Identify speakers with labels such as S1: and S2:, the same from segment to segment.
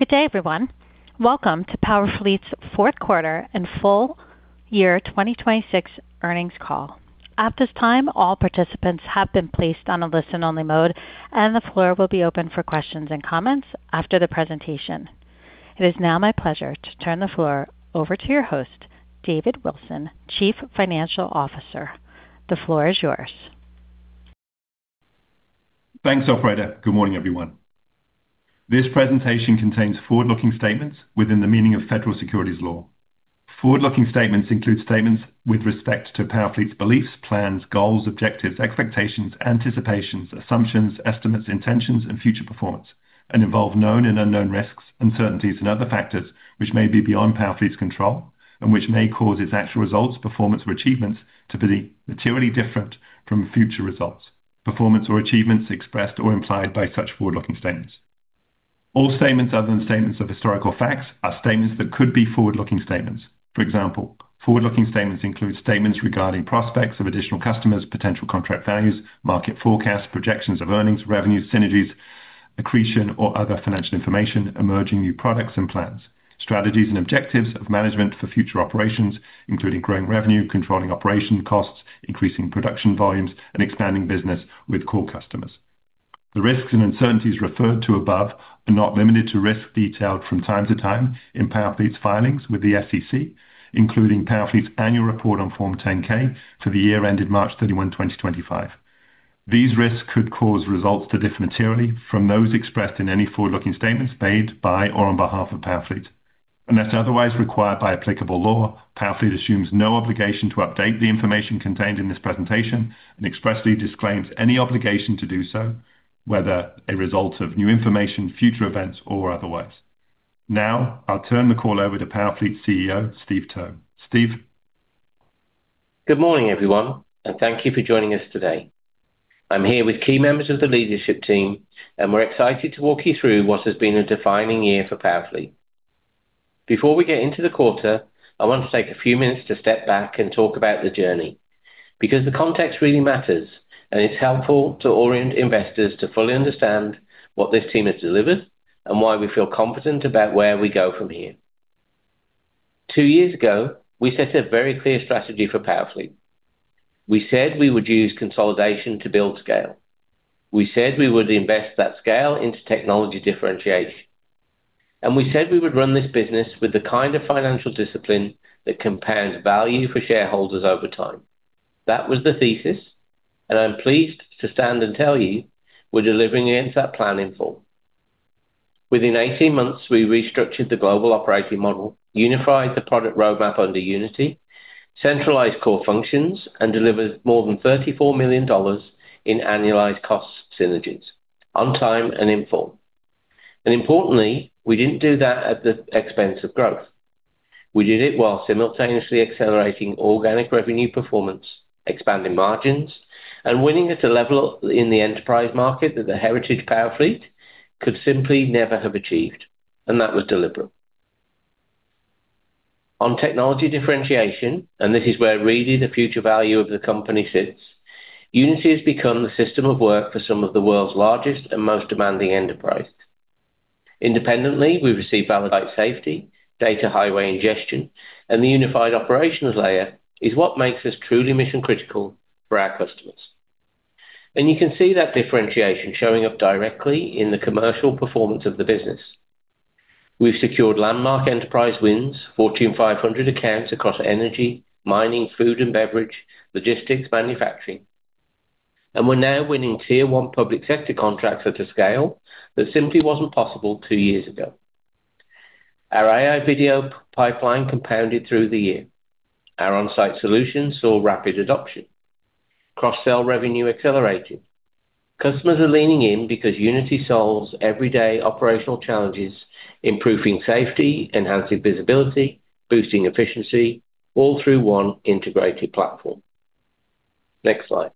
S1: Good day, everyone. Welcome to PowerFleet's fourth quarter and full year 2026 earnings call. At this time, all participants have been placed in a listen-only mode, and the floor will be open for questions and comments after the presentation. It is now my pleasure to turn the floor over to your host, David Wilson, Chief Financial Officer. The floor is yours.
S2: Thanks, operator. Good morning, everyone. This presentation contains forward-looking statements within the meaning of federal securities law. Forward-looking statements include statements with respect to PowerFleet's beliefs, plans, goals, objectives, expectations, anticipations, assumptions, estimates, intentions, and future performance, and involve known and unknown risks, uncertainties, and other factors which may be beyond PowerFleet's control and which may cause its actual results, performance, or achievements to be materially different from future results, performance, or achievements expressed or implied by such forward-looking statements. All statements other than statements of historical facts are statements that could be forward-looking statements. For example, forward-looking statements include statements regarding prospects of additional customers, potential contract values, market forecasts, projections of earnings, revenues, synergies, accretion or other financial information, emerging new products and plans, strategies and objectives of management for future operations, including growing revenue, controlling operational costs, increasing production volumes, and expanding business with core customers. The risks and uncertainties referred to above are not limited to risks detailed from time to time in PowerFleet's filings with the SEC, including PowerFleet's annual report on Form 10-K for the year ended March 31, 2025. These risks could cause results to differ materially from those expressed in any forward-looking statements made by or on behalf of PowerFleet. Unless otherwise required by applicable law, PowerFleet assumes no obligation to update the information contained in this presentation and expressly disclaims any obligation to do so, whether as a result of new information, future events, or otherwise. I'll turn the call over to PowerFleet CEO, Steve Towe. Steve?
S3: Good morning, everyone, and thank you for joining us today. I'm here with key members of the leadership team, and we're excited to walk you through what has been a defining year for PowerFleet. Before we get into the quarter, I want to take a few minutes to step back and talk about the journey, because the context really matters, and it's helpful to orient investors to fully understand what this team has delivered and why we feel confident about where we go from here. Two years ago, we set a very clear strategy for PowerFleet. We said we would use consolidation to build scale. We said we would invest that scale into technology differentiation, and we said we would run this business with the kind of financial discipline that compounds value for shareholders over time. That was the thesis. I'm pleased to stand and tell you we're delivering against that plan in full. Within 18 months, we restructured the global operating model, unified the product roadmap under Unity, centralized core functions, and delivered more than $34 million in annualized cost synergies on time and in full. Importantly, we didn't do that at the expense of growth. We did it while simultaneously accelerating organic revenue performance, expanding margins, and winning at a level in the enterprise market that the heritage PowerFleet could simply never have achieved. That was deliberate. On technology differentiation, this is where the future value of the company really sits. Unity has become the system of work for some of the world's largest and most demanding enterprises. Independently, we've received validated safety, data highway ingestion, and the unified operations layer is what makes us truly mission-critical for our customers. You can see that differentiation showing up directly in the commercial performance of the business. We've secured landmark enterprise wins, Fortune 500 accounts across energy, mining, food and beverage, logistics, and manufacturing, and we're now winning Tier 1 public sector contracts at a scale that simply wasn't possible two years ago. Our AI Video pipeline compounded through the year. Our On-Site solutions saw rapid adoption. Cross-sell revenue accelerated. Customers are leaning in because Unity solves everyday operational challenges, improving safety, enhancing visibility, and boosting efficiency, all through one integrated platform. Next slide.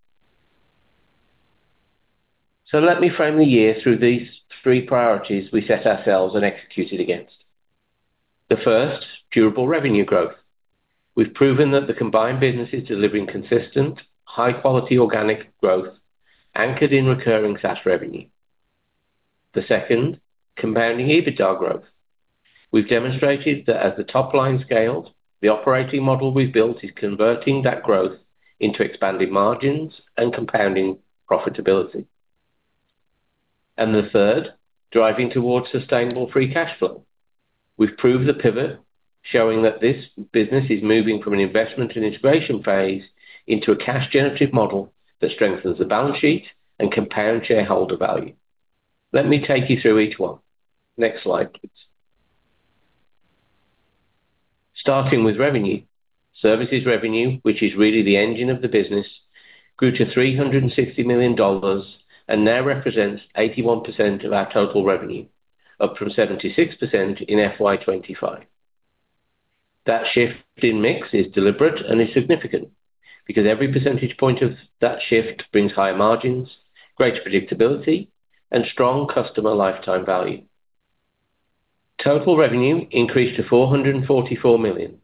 S3: Let me frame the year through these three priorities we set ourselves and executed against. The first: durable revenue growth. We've proven that the combined business is delivering consistent, high-quality organic growth anchored in recurring SaaS revenue. The second: compounding EBITDA growth. We've demonstrated that as the top line scaled, the operating model we've built is converting that growth into expanding margins and compounding profitability. The third is driving towards sustainable free cash flow. We've proved the pivot, showing that this business is moving from an investment and integration phase into a cash-generative model that strengthens the balance sheet and compounds shareholder value. Let me take you through each one. Next slide, please. Starting with revenue. Services revenue, which is really the engine of the business, grew to $360 million and now represents 81% of our total revenue, up from 76% in FY 2025. That shift in mix is deliberate and significant because every percentage point of that shift brings higher margins, greater predictability, and strong customer lifetime value. Total revenue increased to $444 million.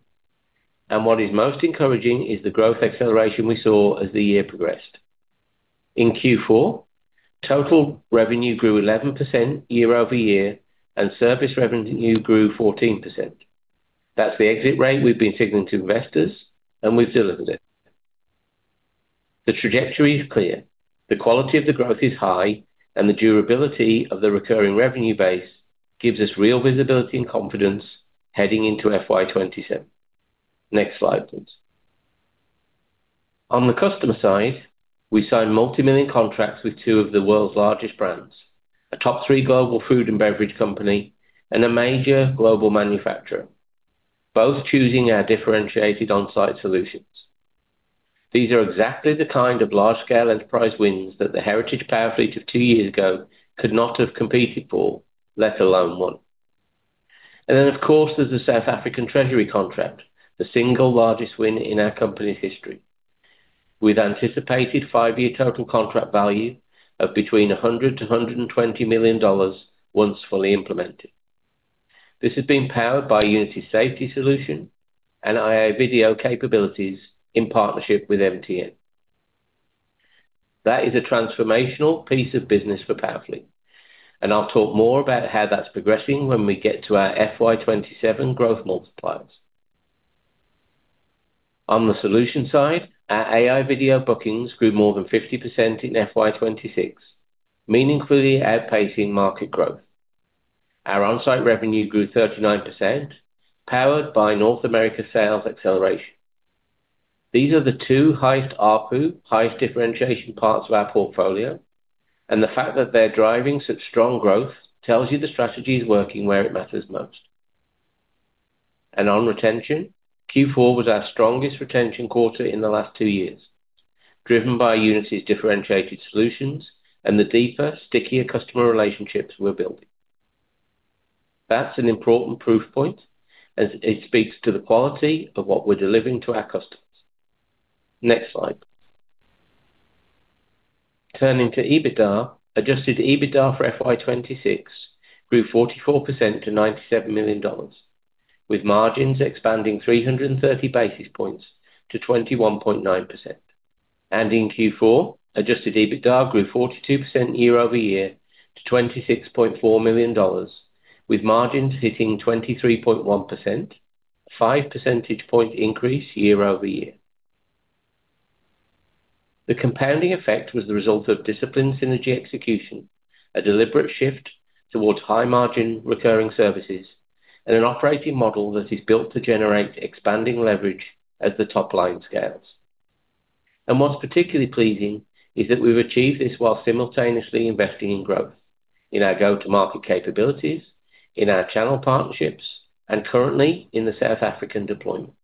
S3: What is most encouraging is the growth acceleration we saw as the year progressed. In Q4, total revenue grew 11% year-over-year. Service revenue grew 14%. That's the exit rate we've been signaling to investors. We've delivered it. The trajectory is clear, the quality of the growth is high, and the durability of the recurring revenue base gives us real visibility and confidence heading into FY 2027. Next slide, please. On the customer side, we signed multimillion-dollar contracts with two of the world's largest brands, a top 3 global food and beverage company, and a major global manufacturer, both choosing our differentiated On-Site solutions. These are exactly the kind of large-scale enterprise wins that the heritage PowerFleet of two years ago could not have competed for, let alone won. Then, of course, there's the South African Treasury contract, the single largest win in our company's history, with an anticipated 5-year total contract value of between $100 million and $120 million once fully implemented. This has been powered by Unity safety solutions and AI Video capabilities in partnership with MTN. That's a transformational piece of business for PowerFleet, and I'll talk more about how that's progressing when we get to our FY 2027 growth multipliers. On the solution side, our AI Video bookings grew more than 50% in FY 2026, meaningfully outpacing market growth. Our On-Site revenue grew 39%, powered by North America sales acceleration. These are the two highest ARPU, highest differentiation parts of our portfolio, and the fact that they're driving such strong growth tells you the strategy is working where it matters most. On retention, Q4 was our strongest retention quarter in the last two years, driven by Unity's differentiated solutions and the deeper, stickier customer relationships we're building. That's an important proof point as it speaks to the quality of what we're delivering to our customers. Next slide. Turning to EBITDA, adjusted EBITDA for FY 2026 grew 44% to $97 million, with margins expanding 330 basis points to 21.9%. In Q4, adjusted EBITDA grew 42% year-over-year to $26.4 million with margins hitting 23.1%, a five percentage point increase year-over-year. The compounding effect was the result of disciplined synergy execution, a deliberate shift towards high-margin recurring services, and an operating model that is built to generate expanding leverage as the top line scales. What's particularly pleasing is that we've achieved this while simultaneously investing in growth in our go-to-market capabilities, in our channel partnerships, and currently in the South African deployment.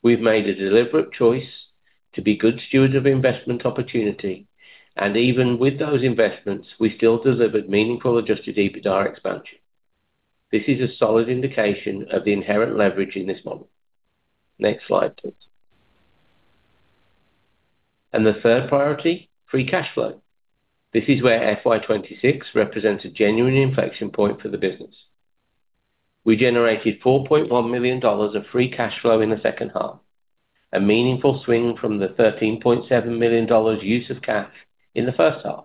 S3: We've made a deliberate choice to be good stewards of investment opportunity, and even with those investments, we've still delivered meaningful adjusted EBITDA expansion. This is a solid indication of the inherent leverage in this model. Next slide, please. The third priority is free cash flow. This is where FY 2026 represents a genuine inflection point for the business. We generated $4.1 million of free cash flow in the second half, a meaningful swing from the $13.7 million use of cash in the first half.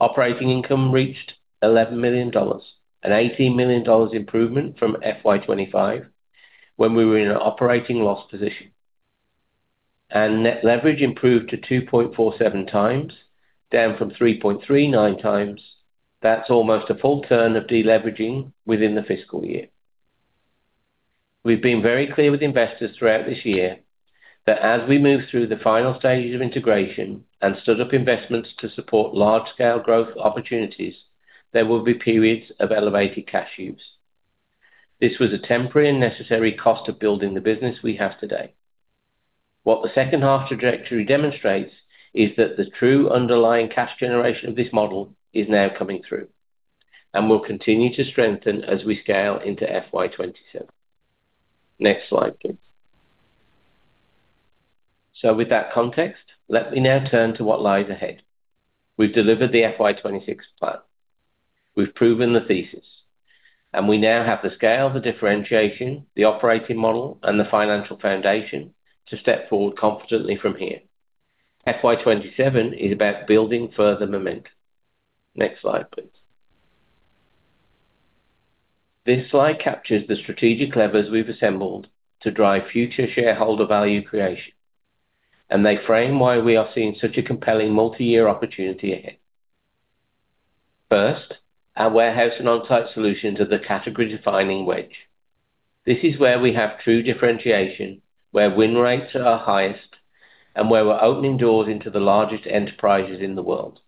S3: Operating income reached $11 million, an $18 million improvement from FY 2025 when we were in an operating loss position. Net leverage improved to 2.47 times, down from 3.39 times. That's almost a full turn of deleveraging within the fiscal year. We've been very clear with investors throughout this year that as we move through the final stages of integration and stood up investments to support large-scale growth opportunities, there will be periods of elevated cash use. This was a temporary and necessary cost of building the business we have today. What the second-half trajectory demonstrates is that the true underlying cash generation of this model is now coming through and will continue to strengthen as we scale into FY 2027. Next slide, please. With that context, let me now turn to what lies ahead. We've delivered the FY 2026 plan. We've proven the thesis, and we now have the scale, the differentiation, the operating model, and the financial foundation to step forward confidently from here. FY 2027 is about building further momentum. Next slide, please. This slide captures the strategic levers we've assembled to drive future shareholder value creation, and they frame why we're seeing such a compelling multi-year opportunity ahead. First, our warehouse and On-Site solutions are the category-defining wedge. This is where we have true differentiation, where win rates are our highest, and where we're opening doors into the largest enterprises in the world.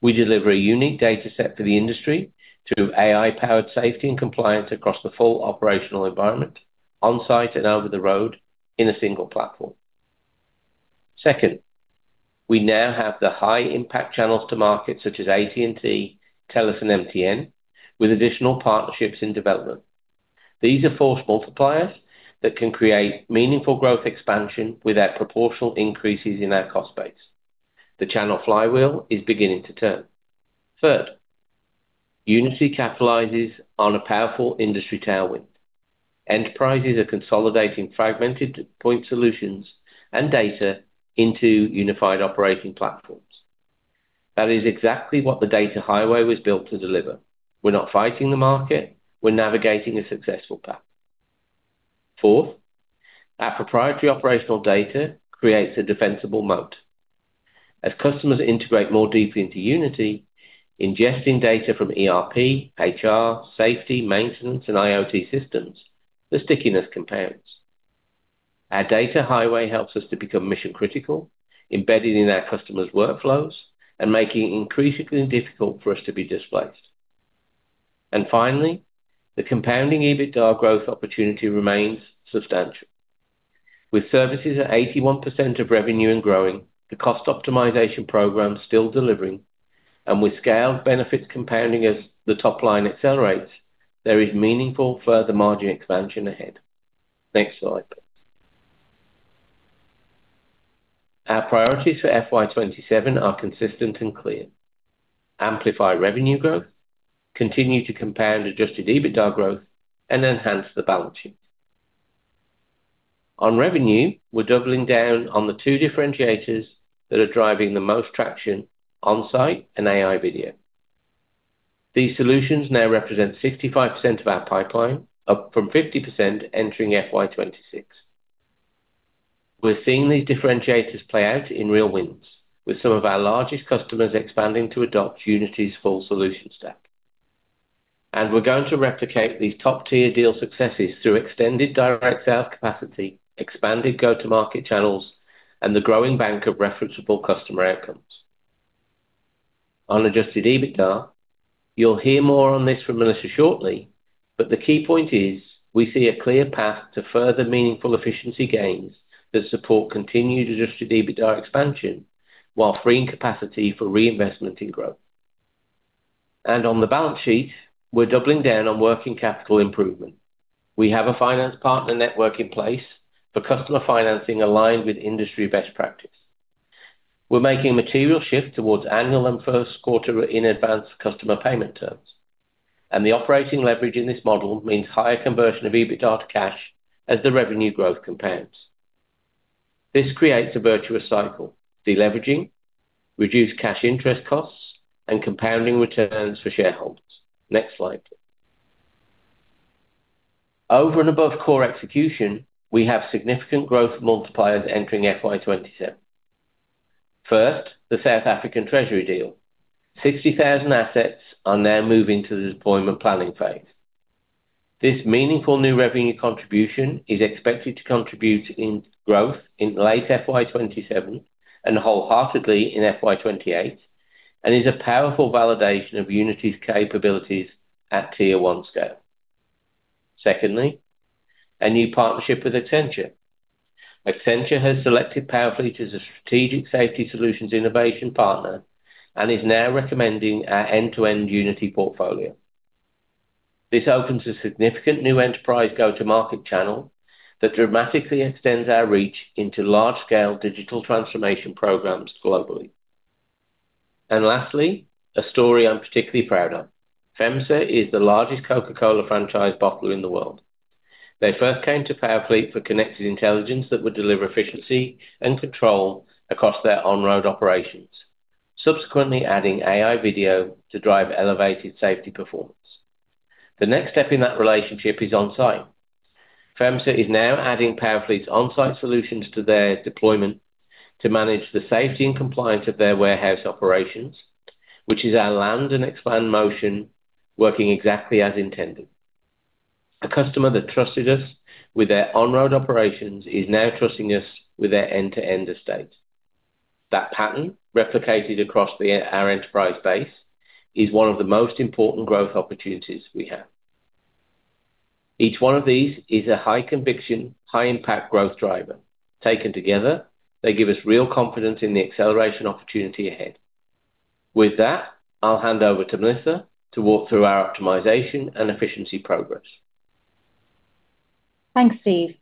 S3: We deliver a unique data set for the industry through AI-powered safety and compliance across the full operational environment, on-site and over the road, in a single platform. Second, we now have high-impact channels to market, such as AT&T, Telus, and MTN, with additional partnerships in development. These are force multipliers that can create meaningful growth expansion without proportional increases in our cost base. The channel flywheel is beginning to turn. Third, Unity capitalizes on a powerful industry tailwind. Enterprises are consolidating fragmented point solutions and data into unified operating platforms. That is exactly what the data highway was built to deliver. We're not fighting the market; we're navigating a successful path. Fourth, our proprietary operational data creates a defensible moat. As customers integrate more deeply into Unity, ingesting data from ERP, HR, safety, maintenance, and IoT systems, the stickiness compounds. Finally, the compounding EBITDA growth opportunity remains substantial. With services at 81% of revenue and growing, the cost optimization program still delivering, and with scale benefits compounding as the top line accelerates, there is meaningful further margin expansion ahead. Next slide, please. Our priorities for FY 2027 are consistent and clear: Amplify revenue growth, continue to compound adjusted EBITDA growth, and enhance the balance sheet. On revenue, we're doubling down on the two differentiators that are driving the most traction, On-Site and AI Video. These solutions now represent 65% of our pipeline, up from 50% entering FY 2026. We're seeing these differentiators play out in real wins, with some of our largest customers expanding to adopt Unity's full solution stack. We're going to replicate these top-tier deal successes through extended direct sales capacity, expanded go-to-market channels, and the growing bank of referenceable customer outcomes. On adjusted EBITDA, you'll hear more on this from Melissa shortly, but the key point is we see a clear path to further meaningful efficiency gains that support continued adjusted EBITDA expansion while freeing capacity for reinvestment in growth. On the balance sheet, we're doubling down on working capital improvement. We have a finance partner network in place for customer financing aligned with industry best practice. We're making a material shift towards annual and first-quarter in-advance customer payment terms. The operating leverage in this model means higher conversion of EBITDA to cash as the revenue growth compounds. This creates a virtuous cycle: deleveraging, reduced cash interest costs, and compounding returns for shareholders. Next slide, please. Over and above core execution, we have significant growth multipliers entering FY 2027. First, the National Treasury deal: 60,000 assets are now moving to the deployment planning phase. This meaningful new revenue contribution is expected to contribute to growth in late FY 2027 and wholeheartedly in FY 2028, and is a powerful validation of Unity's capabilities at Tier 1 scale. Secondly, a new partnership with Accenture. Accenture has selected PowerFleet as a strategic safety solutions innovation partner and is now recommending our end-to-end Unity portfolio. This opens a significant new enterprise go-to-market channel that dramatically extends our reach into large-scale digital transformation programs globally. Lastly, a story I'm particularly proud of: FEMSA is the largest Coca-Cola franchise bottler in the world. They first came to PowerFleet for connected intelligence that would deliver efficiency and control across their on-road operations, subsequently adding AI Video to drive elevated safety performance. The next step in that relationship is On-Site. FEMSA is now adding PowerFleet's On-Site solutions to their deployment to manage the safety and compliance of their warehouse operations, which is our land and expand motion working exactly as intended. A customer that trusted us with their on-road operations is now trusting us with their end-to-end estate. That pattern, replicated across our enterprise base, is one of the most important growth opportunities we have. Each one of these is a high-conviction, high-impact growth driver. Taken together, they give us real confidence in the acceleration opportunity ahead. With that, I'll hand over to Melissa to walk through our optimization and efficiency progress.
S4: Thanks, Steve.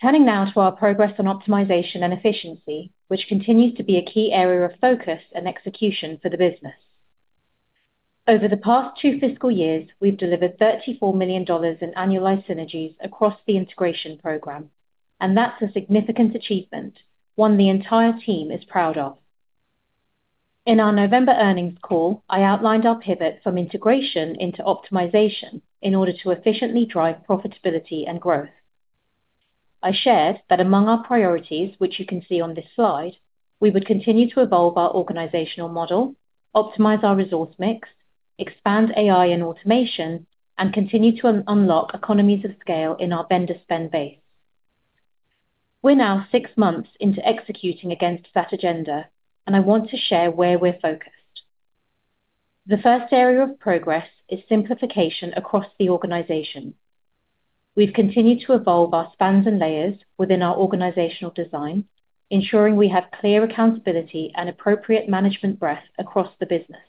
S4: Turning now to our progress on optimization and efficiency, which continues to be a key area of focus and execution for the business. Over the past two fiscal years, we've delivered $34 million in annualized synergies across the integration program. That's a significant achievement, one the entire team is proud of. In our November earnings call, I outlined our pivot from integration into optimization in order to efficiently drive profitability and growth. I shared that among our priorities, which you can see on this slide, we would continue to evolve our organizational model, optimize our resource mix, expand AI and automation, and continue to unlock economies of scale in our vendor spend base. We're now six months into executing against that agenda. I want to share where we're focused. The first area of progress is simplification across the organization. We've continued to evolve our spans and layers within our organizational design, ensuring we have clear accountability and appropriate management breadth across the business.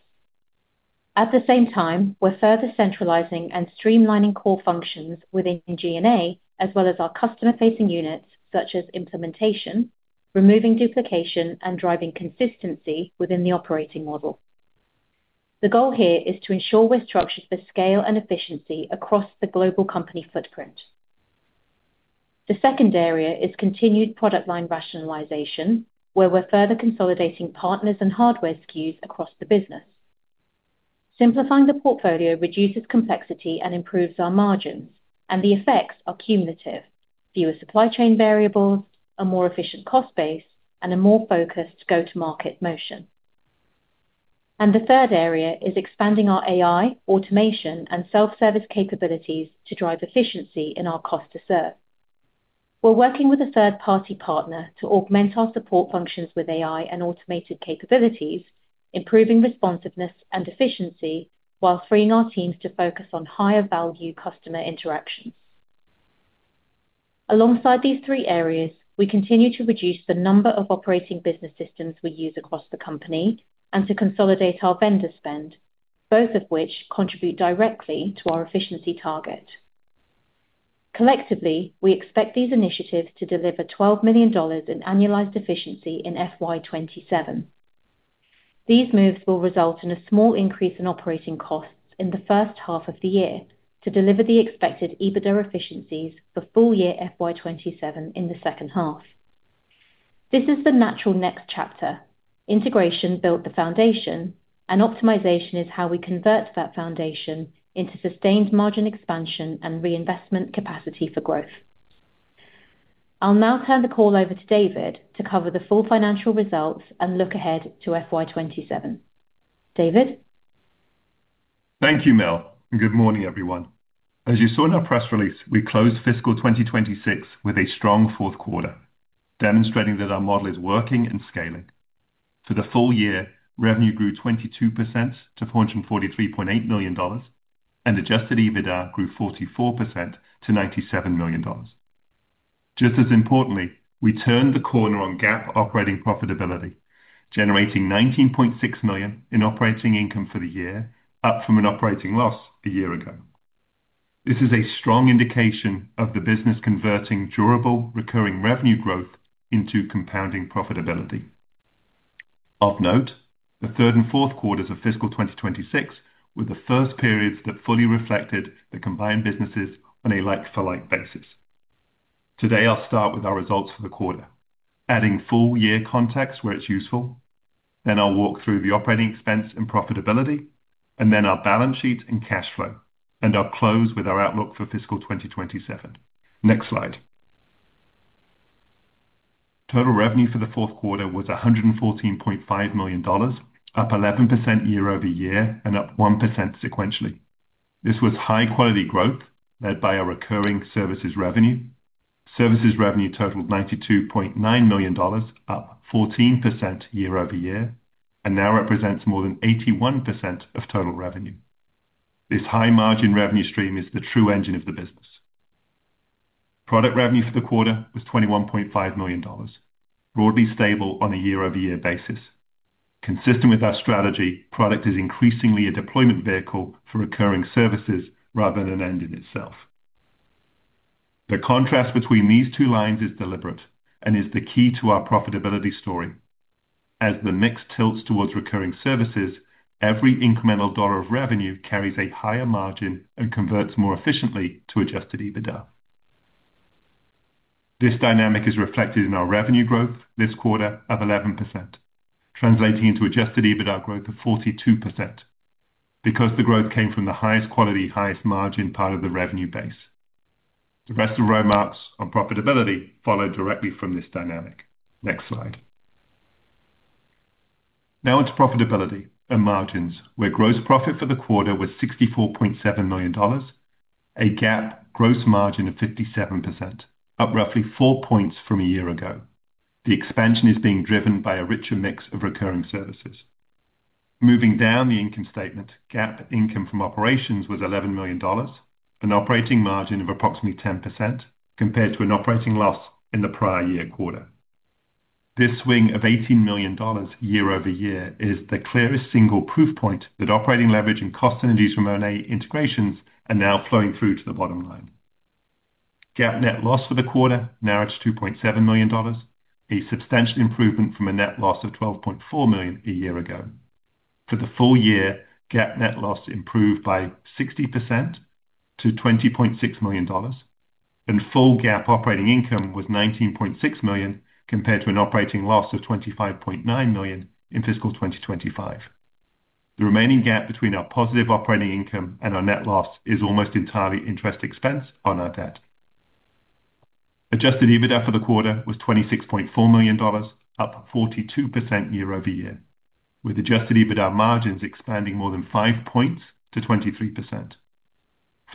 S4: At the same time, we're further centralizing and streamlining core functions within G&A, as well as our customer-facing units such as implementation, removing duplication and driving consistency within the operating model. The goal here is to ensure we're structured for scale and efficiency across the global company footprint. The second area is continued product line rationalization, where we're further consolidating partners and hardware SKUs across the business. Simplifying the portfolio reduces complexity and improves our margins; the effects are cumulative: fewer supply chain variables, a more efficient cost base, and a more focused go-to-market motion. The third area is expanding our AI, automation, and self-service capabilities to drive efficiency in our cost to serve. We're working with a third-party partner to augment our support functions with AI and automated capabilities, improving responsiveness and efficiency while freeing our teams to focus on higher-value customer interactions. Alongside these three areas, we continue to reduce the number of operating business systems we use across the company and to consolidate our vendor spend, both of which contribute directly to our efficiency target. Collectively, we expect these initiatives to deliver $12 million in annualized efficiency in FY 2027. These moves will result in a small increase in operating costs in the first half of the year to deliver the expected EBITDA efficiencies for full-year FY 2027 in the second half. This is the natural next chapter. Integration built the foundation; optimization is how we convert that foundation into sustained margin expansion and reinvestment capacity for growth. I'll now turn the call over to David to cover the full financial results and look ahead to FY 2027. David?
S2: Thank you, Mel, and good morning, everyone. As you saw in our press release, we closed fiscal 2026 with a strong fourth quarter, demonstrating that our model is working and scaling. For the full year, revenue grew 22% to $443.8 million, and adjusted EBITDA grew 44% to $97 million. Just as importantly, we turned the corner on GAAP operating profitability, generating $19.6 million in operating income for the year, up from an operating loss a year ago. This is a strong indication of the business converting durable, recurring revenue growth into compounding profitability. Of note, the third and fourth quarters of fiscal 2026 were the first periods that fully reflected the combined businesses on a like-for-like basis. Today, I'll start with our results for the quarter, adding full-year context where it's useful. I'll walk through the operating expense and profitability, our balance sheet and cash flow, and I'll close with our outlook for FY 2027. Next slide. Total revenue for the fourth quarter was $114.5 million, up 11% year-over-year and up 1% sequentially. This was high-quality growth led by our recurring services revenue. Services revenue totaled $92.9 million, up 14% year-over-year, and now represents more than 81% of total revenue. This high-margin revenue stream is the true engine of the business. Product revenue for the quarter was $21.5 million, broadly stable on a year-over-year basis. Consistent with our strategy, product is increasingly a deployment vehicle for recurring services rather than an end in itself. The contrast between these two lines is deliberate and is the key to our profitability story. As the mix tilts towards recurring services, every incremental dollar of revenue carries a higher margin and converts more efficiently to adjusted EBITDA. This dynamic is reflected in our revenue growth this quarter of 11%, translating into adjusted EBITDA growth of 42%, because the growth came from the highest quality, highest margin part of the revenue base. The rest of the roadmaps on profitability follow directly from this dynamic. Next slide. Now onto profitability and margins, where gross profit for the quarter was $64.7 million, a GAAP gross margin of 57%, up roughly four points from a year ago. The expansion is being driven by a richer mix of recurring services. Moving down the income statement, GAAP income from operations was $11 million, an operating margin of approximately 10% compared to an operating loss in the prior year quarter. This swing of $18 million year-over-year is the clearest single proof point that operating leverage and cost synergies from our integrations are now flowing through to the bottom line. GAAP net loss for the quarter narrowed to $2.7 million, a substantial improvement from a net loss of $12.4 million a year ago. For the full year, GAAP net loss improved by 60% to $20.6 million, and full GAAP operating income was $19.6 million compared to an operating loss of $25.9 million in FY 2025. The remaining gap between our positive operating income and our net loss is almost entirely interest expense on our debt. Adjusted EBITDA for the quarter was $26.4 million, up 42% year-over-year, with adjusted EBITDA margins expanding more than five points to 23%.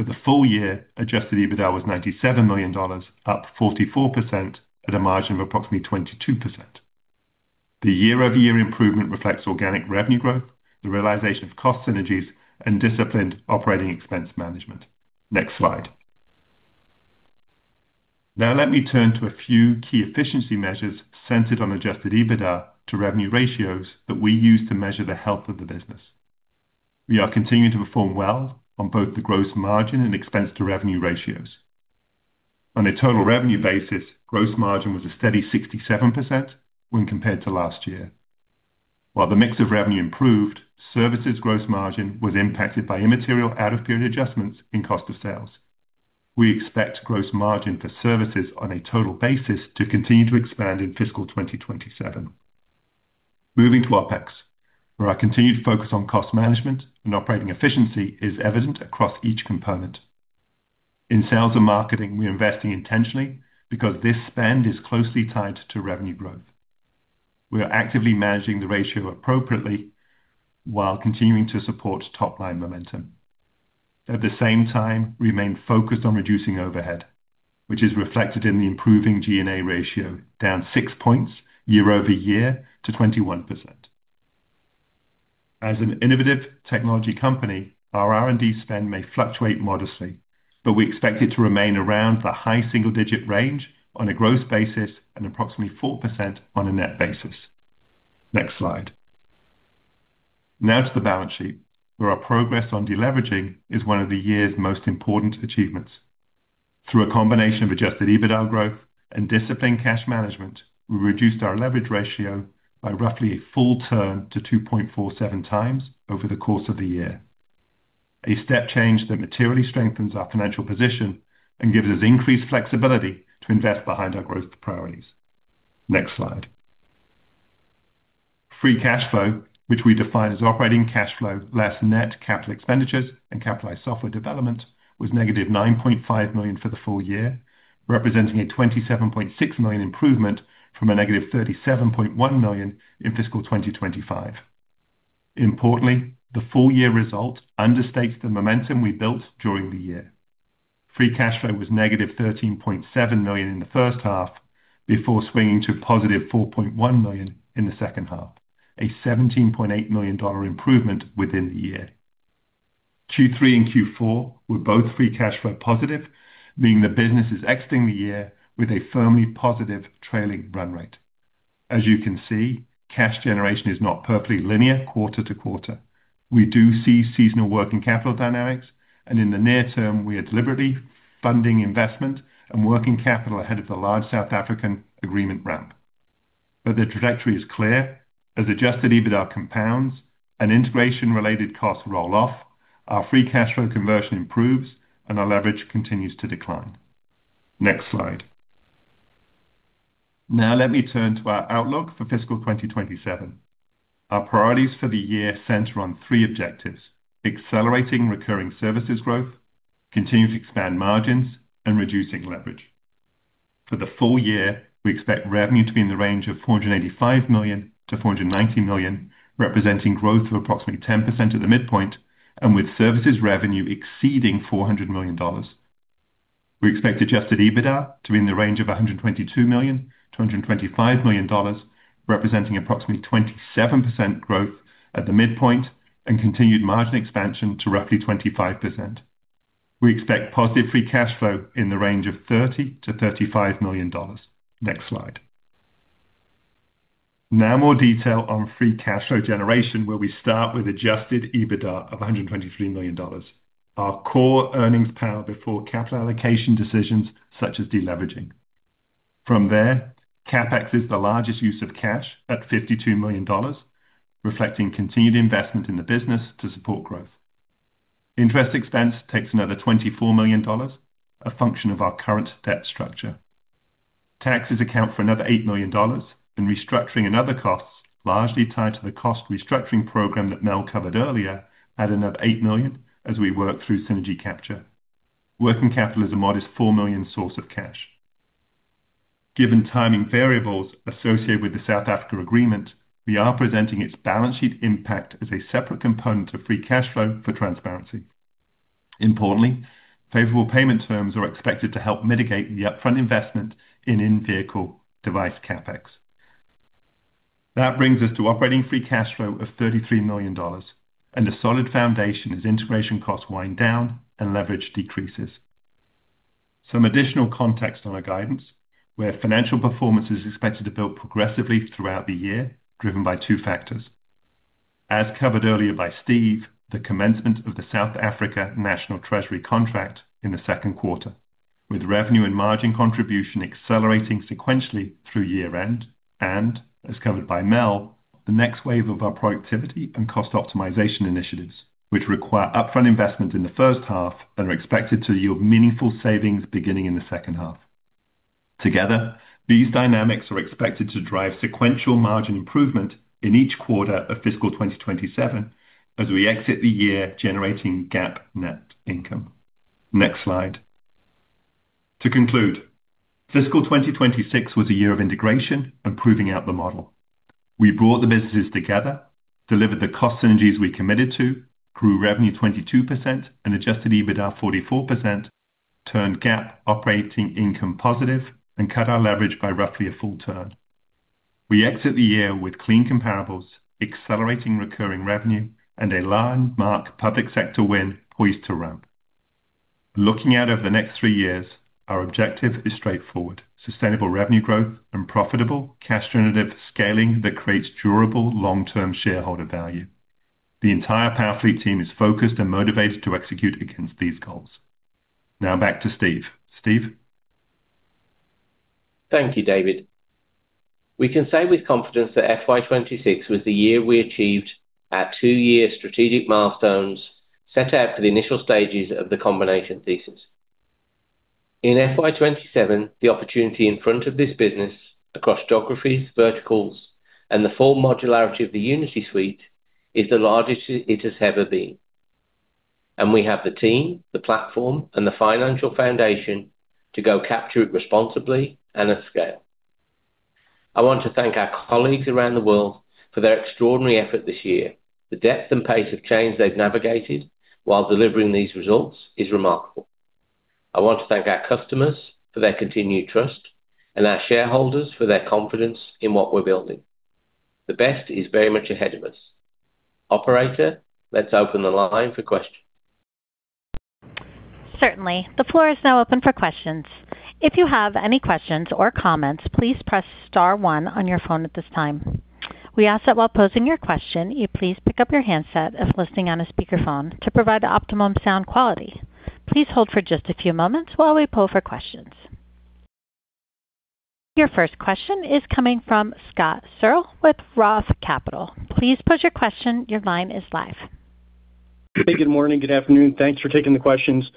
S2: For the full year, adjusted EBITDA was $97 million, up 44% at a margin of approximately 22%. The year-over-year improvement reflects organic revenue growth, the realization of cost synergies, and disciplined operating expense management. Next slide. Now let me turn to a few key efficiency measures centered on adjusted EBITDA to revenue ratios that we use to measure the health of the business. We are continuing to perform well on both the gross margin and expense to revenue ratios. On a total revenue basis, gross margin was a steady 67% when compared to last year. While the mix of revenue improved, services gross margin was impacted by immaterial out-of-period adjustments in cost of sales. We expect gross margin for services on a total basis to continue to expand in FY 2027. Moving to OpEx, where our continued focus on cost management and operating efficiency is evident across each component. In sales and marketing, we're investing intentionally because this spend is closely tied to revenue growth. We are actively managing the ratio appropriately while continuing to support top-line momentum. At the same time, we remain focused on reducing overhead, which is reflected in the improving G&A ratio, down six points year-over-year to 21%. As an innovative technology company, our R&D spend may fluctuate modestly, but we expect it to remain around the high single-digit range on a gross basis and approximately 4% on a net basis. Next slide. Now to the balance sheet, where our progress on deleveraging is one of the year's most important achievements. Through a combination of adjusted EBITDA growth and disciplined cash management, we reduced our leverage ratio by roughly a full turn to 2.47 times over the course of the year, a step change that materially strengthens our financial position and gives us increased flexibility to invest behind our growth priorities. Next slide. Free cash flow, which we define as operating cash flow, less net capital expenditures and capitalized software development, was -$9.5 million for the full year, representing a $27.6 million improvement from -$37.1 million in FY 2025. Importantly, the full-year result understates the momentum we built during the year. Free cash flow was -$13.7 million in the first half before swinging to +$4.1 million in the second half, a $17.8 million improvement within the year. Q3 and Q4 were both free cash flow positive, meaning the business is exiting the year with a firmly positive trailing run rate. As you can see, cash generation is not perfectly linear quarter-to-quarter. We do see seasonal working capital dynamics, and in the near term, we are deliberately funding investment and working capital ahead of the large South African agreement ramp. The trajectory is clear, as adjusted EBITDA compounds and integration-related costs roll off, our free cash flow conversion improves and our leverage continues to decline. Next slide. Let me turn to our outlook for fiscal 2027. Our priorities for the year center on three objectives: accelerating recurring services growth, continuing to expand margins, and reducing leverage. For the full year, we expect revenue to be in the range of $485 million-$490 million, representing growth of approximately 10% at the midpoint, and with services revenue exceeding $400 million. We expect adjusted EBITDA to be in the range of $122 million-$125 million, representing approximately 27% growth at the midpoint and continued margin expansion to roughly 25%. We expect positive free cash flow in the range of $30 million-$35 million. Next slide. More detail on free cash flow generation, where we start with adjusted EBITDA of $123 million, our core earnings power before capital allocation decisions such as deleveraging. From there, CapEx is the largest use of cash at $52 million, reflecting continued investment in the business to support growth. Interest expense takes another $24 million, a function of our current debt structure. Taxes account for another $8 million. Restructuring and other costs, largely tied to the cost restructuring program that Mel covered earlier, add another $8 million as we work through synergy capture. Working capital is a modest $4 million source of cash. Given timing variables associated with the South Africa agreement, we are presenting its balance sheet impact as a separate component of free cash flow for transparency. Importantly, favorable payment terms are expected to help mitigate the upfront investment in in-vehicle device CapEx. Brings us to operating free cash flow of $33 million and a solid foundation as integration costs wind down and leverage decreases. Some additional context on our guidance, where financial performance is expected to build progressively throughout the year, driven by two factors. As covered earlier by Steve, the commencement of the South Africa National Treasury contract in the second quarter, with revenue and margin contribution accelerating sequentially through year end, and as covered by Mel, the next wave of our productivity and cost optimization initiatives, which require upfront investment in the first half and are expected to yield meaningful savings beginning in the second half. Together, these dynamics are expected to drive sequential margin improvement in each quarter of fiscal 2027 as we exit the year generating GAAP net income. Next slide. We brought the businesses together, delivered the cost synergies we committed to, grew revenue 22% and adjusted EBITDA 44%, turned GAAP operating income positive, and cut our leverage by roughly a full turn. We exited the year with clean comparables, accelerating recurring revenue, and a landmark public sector win poised to ramp. Looking out over the next three years, our objective is straightforward: sustainable revenue growth and profitable cash-generative scaling that creates durable long-term shareholder value. The entire PowerFleet team is focused and motivated to execute against these goals. Back to Steve. Steve?
S3: Thank you, David. We can say with confidence that FY 2026 was the year we achieved our two-year strategic milestones set out for the initial stages of the combination thesis. In FY 2027, the opportunity in front of this business across geographies, verticals, and the full modularity of the Unity Suite is the largest it has ever been, and we have the team, the platform, and the financial foundation to go capture it responsibly and at scale. I want to thank our colleagues around the world for their extraordinary effort this year. The depth and pace of change they've navigated while delivering these results is remarkable. I want to thank our customers for their continued trust and our shareholders for their confidence in what we're building. The best is very much ahead of us. Operator, let's open the line for questions.
S1: Certainly. The floor is now open for questions. If you have any questions or comments, please press star one on your phone at this time. We ask that while posing your question, you please pick up your handset if listening on a speakerphone to provide the optimum sound quality. Please hold for just a few moments while we poll for questions. Your first question is coming from Scott Searle with Roth Capital. Please pose your question. Your line is live.
S5: Hey, good morning, good afternoon. Thanks for taking the questions.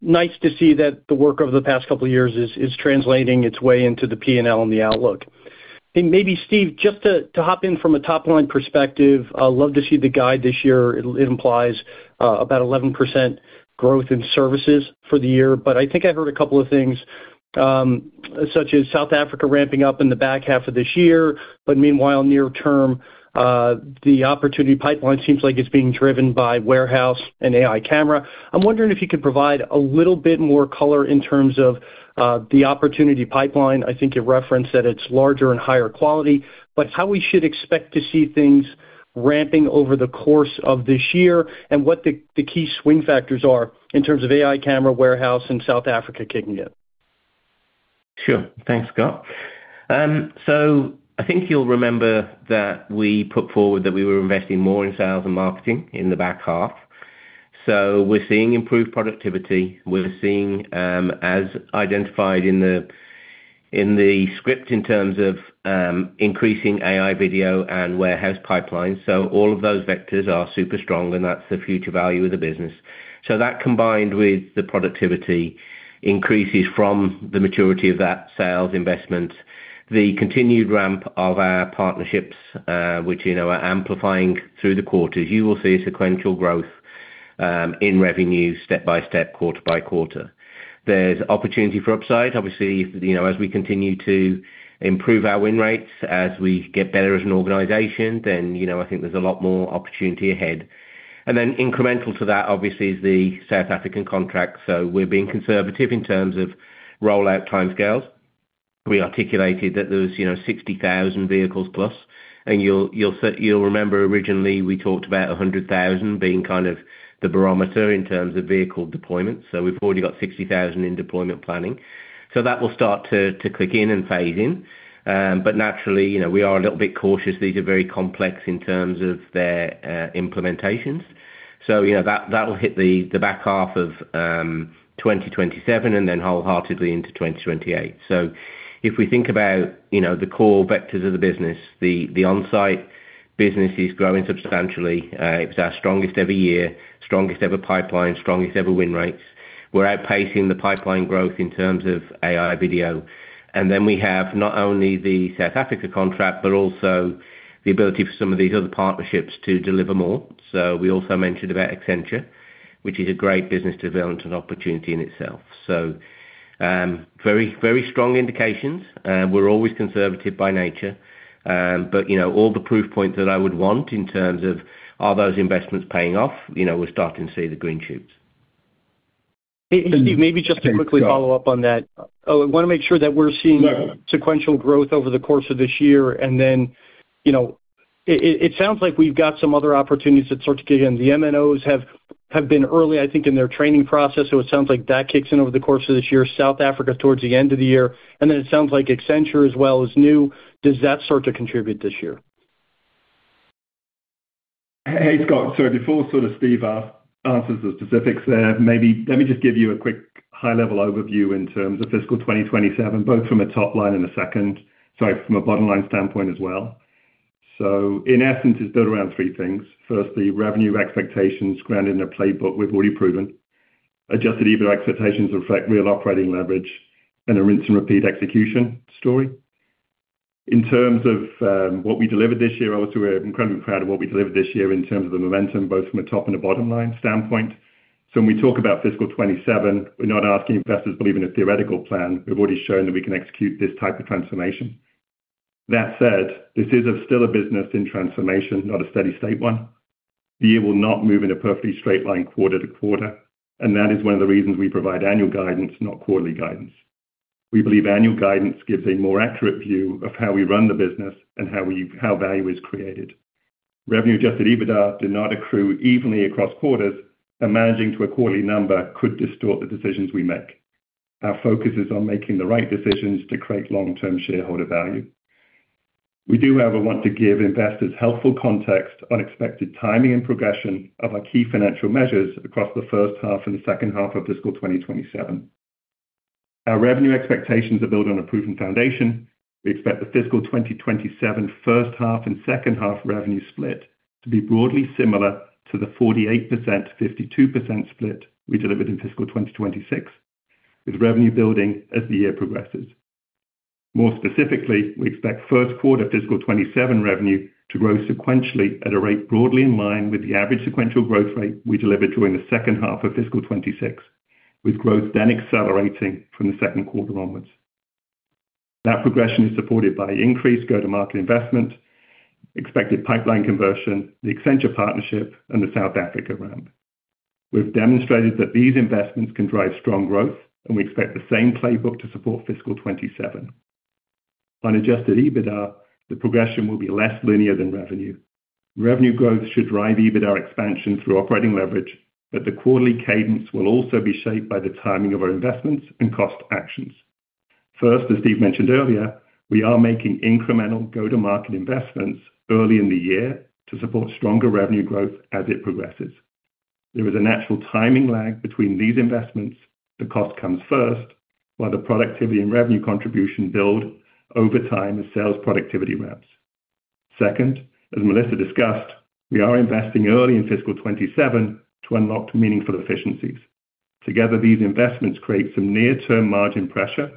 S5: Nice to see that the work over the past couple of years is translating its way into the P&L and the outlook. I think maybe, Steve, just to hop in from a top-line perspective, I love to see the guide this year. It implies about 11% growth in services for the year. I think I heard a couple of things such as South Africa ramping up in the back half of this year. Meanwhile, near term, the opportunity pipeline seems like it's being driven by warehouse and AI camera. I'm wondering if you could provide a little bit more color in terms of the opportunity pipeline. I think you referenced that it's larger and higher quality. How we should expect to see things ramping over the course of this year and what the key swing factors are in terms of AI camera, warehouse, and South Africa kicking in.
S3: Sure. Thanks, Scott. I think you'll remember that we put forward that we were investing more in sales and marketing in the back half. We're seeing improved productivity. We're seeing, as identified in the script, increasing AI Video and Warehouse pipelines. All of those vectors are super strong, and that's the future value of the business. That, combined with the productivity increases from the maturity of that sales investment and the continued ramp of our partnerships, which are amplifying through the quarters, means you will see sequential growth in revenue step by step, quarter by quarter. There's opportunity for upside. Obviously, as we continue to improve our win rates and get better as an organization, I think there's a lot more opportunity ahead. Incremental to that, obviously, is the South African contract. We're being conservative in terms of rollout timescales. We articulated that there was 60,000 vehicles plus. You'll remember originally we talked about 100,000 being kind of the barometer in terms of vehicle deployment. We've already got 60,000 in deployment planning. That will start to click in and phase in. Naturally, we are a little bit cautious. These are very complex in terms of their implementations. That will hit the back half of 2027 and then wholeheartedly into 2028. If we think about the core vectors of the business, the On-Site business is growing substantially. It was our strongest ever year, strongest ever pipeline, strongest ever win rates. We're outpacing the pipeline growth in terms of AI Video. We have not only the South Africa contract but also the ability for some of these other partnerships to deliver more. We also mentioned about Accenture, which is a great business development and opportunity in itself. Very strong indications. We're always conservative by nature. All the proof points that I would want in terms of are those investments paying off, we're starting to see the green shoots.
S5: Hey, Steve, maybe just to quickly follow up on that. I want to make sure that we're seeing sequential growth over the course of this year, then it sounds like we've got some other opportunities that start to kick in. The MNOs have been early, I think, in their training process. It sounds like that kicks in over the course of this year, South Africa towards the end of the year. Then it sounds like Accenture as well is new. Does that start to contribute this year?
S2: Hey, Scott. Before Steve answers the specifics there, maybe let me just give you a quick high-level overview in terms of fiscal 2027, both from a top line and a bottom-line standpoint as well. In essence, it's built around three things. Firstly, revenue expectations grounded in a playbook we've already proven, adjusted EBITDA expectations reflect real operating leverage, and a rinse and repeat execution story. In terms of what we delivered this year, obviously, we're incredibly proud of what we delivered this year in terms of the momentum, both from a top and a bottom line standpoint. When we talk about fiscal 2027, we're not asking investors to believe in a theoretical plan. We've already shown that we can execute this type of transformation. That said, this is still a business in transformation, not a steady state one. The year will not move in a perfectly straight line quarter to quarter; that is one of the reasons we provide annual guidance, not quarterly guidance. We believe annual guidance gives a more accurate view of how we run the business and how value is created. Revenue and adjusted EBITDA do not accrue evenly across quarters, and managing to a quarterly number could distort the decisions we make. Our focus is on making the right decisions to create long-term shareholder value. We do, however, want to give investors helpful context on the expected timing and progression of our key financial measures across the first half and the second half of fiscal 2027. Our revenue expectations are built on a proven foundation. We expect the fiscal 2027 first half and second half revenue split to be broadly similar to the 48%-52% split we delivered in fiscal 2026, with revenue building as the year progresses. More specifically, we expect first quarter fiscal 2027 revenue to grow sequentially at a rate broadly in line with the average sequential growth rate we delivered during the second half of fiscal 2026, with growth then accelerating from the second quarter onwards. That progression is supported by increased go-to-market investment, expected pipeline conversion, the Accenture partnership, and the South Africa round. We've demonstrated that these investments can drive strong growth, we expect the same playbook to support fiscal 2027. On adjusted EBITDA, the progression will be less linear than revenue. Revenue growth should drive EBITDA expansion through operating leverage, the quarterly cadence will also be shaped by the timing of our investments and cost actions. First, as Steve mentioned earlier, we are making incremental go-to-market investments early in the year to support stronger revenue growth as it progresses. There is a natural timing lag between these investments. The cost comes first, while the productivity and revenue contribution build over time as sales productivity ramps. Second, as Melissa discussed, we are investing early in fiscal 2027 to unlock meaningful efficiencies. Together, these investments create some near-term margin pressure,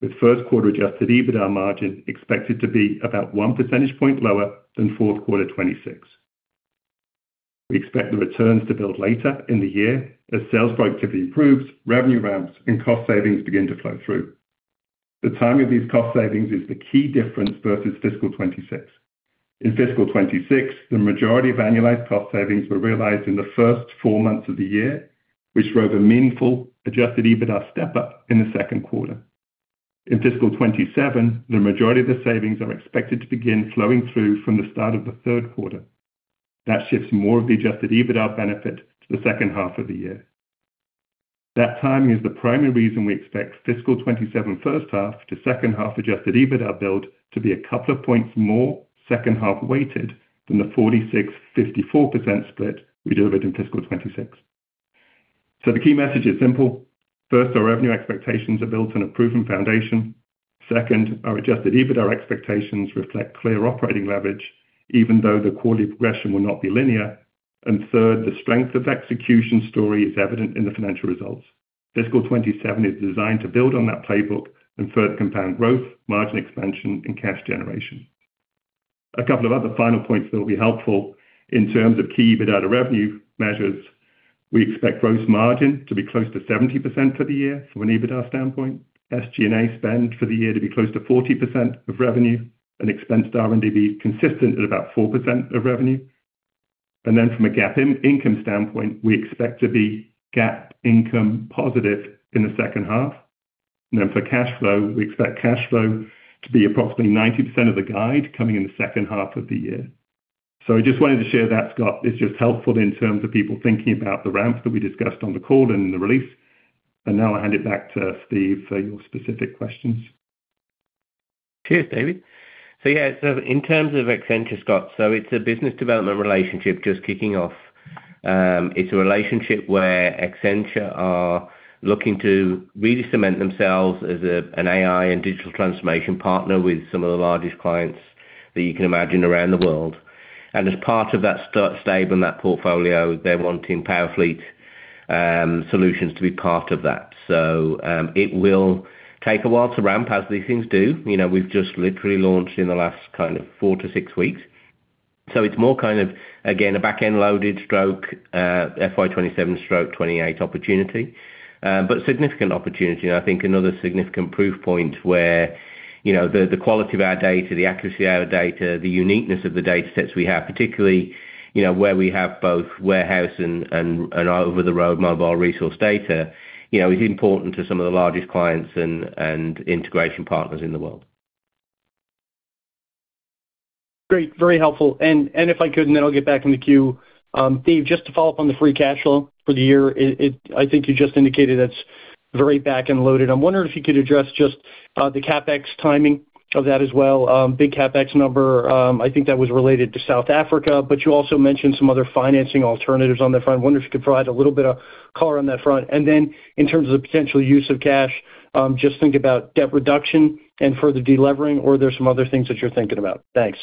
S2: with first quarter adjusted EBITDA margin expected to be about one percentage point lower than fourth quarter 2026. We expect the returns to build later in the year as sales productivity improves, revenue ramps, and cost savings begin to flow through. The timing of these cost savings is the key difference versus fiscal 2026. In fiscal 2026, the majority of annualized cost savings were realized in the first four months of the year, which drove a meaningful adjusted EBITDA step-up in the second quarter. In fiscal 2027, the majority of the savings are expected to begin flowing through from the start of the third quarter. That shifts more of the adjusted EBITDA benefit to the second half of the year. That timing is the primary reason we expect fiscal 2027 first half to second half adjusted EBITDA build to be a couple of points more second-half weighted than the 46%-54% split we delivered in fiscal 2026. The key message is simple. First, our revenue expectations are built on a proven foundation. Second, our adjusted EBITDA expectations reflect clear operating leverage, even though the quarterly progression will not be linear. Third, the strength of the execution story is evident in the financial results. Fiscal 2027 is designed to build on that playbook and further compound growth, margin expansion, and cash generation. A couple of other final points that will be helpful in terms of key EBITDA revenue measures. We expect gross margin to be close to 70% for the year from an EBITDA standpoint, SG&A spend for the year to be close to 40% of revenue, and expensed R&D be consistent at about 4% of revenue. From a GAAP income standpoint, we expect to be GAAP income positive in the second half. For cash flow, we expect cash flow to be approximately 90% of the guide coming in the second half of the year. I just wanted to share that, Scott. It's just helpful in terms of people thinking about the ramps that we discussed on the call and in the release. Now I'll hand it back to Steve for your specific questions.
S3: Cheers, David. In terms of Accenture, Scott, it's a business development relationship just kicking off. It's a relationship where Accenture are looking to really cement themselves as an AI and digital transformation partner with some of the largest clients that you can imagine around the world. As part of that stable and that portfolio, they're wanting PowerFleet solutions to be part of that. It will take a while to ramp as these things do. We've just literally launched in the last four to six weeks. It's more kind of, again, a back-end loaded stroke FY 2027 stroke 2028 opportunity, but significant opportunity. I think another significant proof point where the quality of our data, the accuracy of our data, the uniqueness of the data sets we have, particularly where we have both warehouse and over-the-road mobile resource data, is important to some of the largest clients and integration partners in the world.
S5: Great. Very helpful. If I could, then I'll get back in the queue. Dave, just to follow up on the free cash flow for the year. I think you just indicated that's very back-end loaded. I'm wondering if you could address just the CapEx timing of that as well. Big CapEx number, I think that was related to South Africa, but you also mentioned some other financing alternatives on that front. I wonder if you could provide a little bit of color on that front. Then in terms of potential use of cash, just think about debt reduction and further delevering, or are there some other things that you're thinking about? Thanks.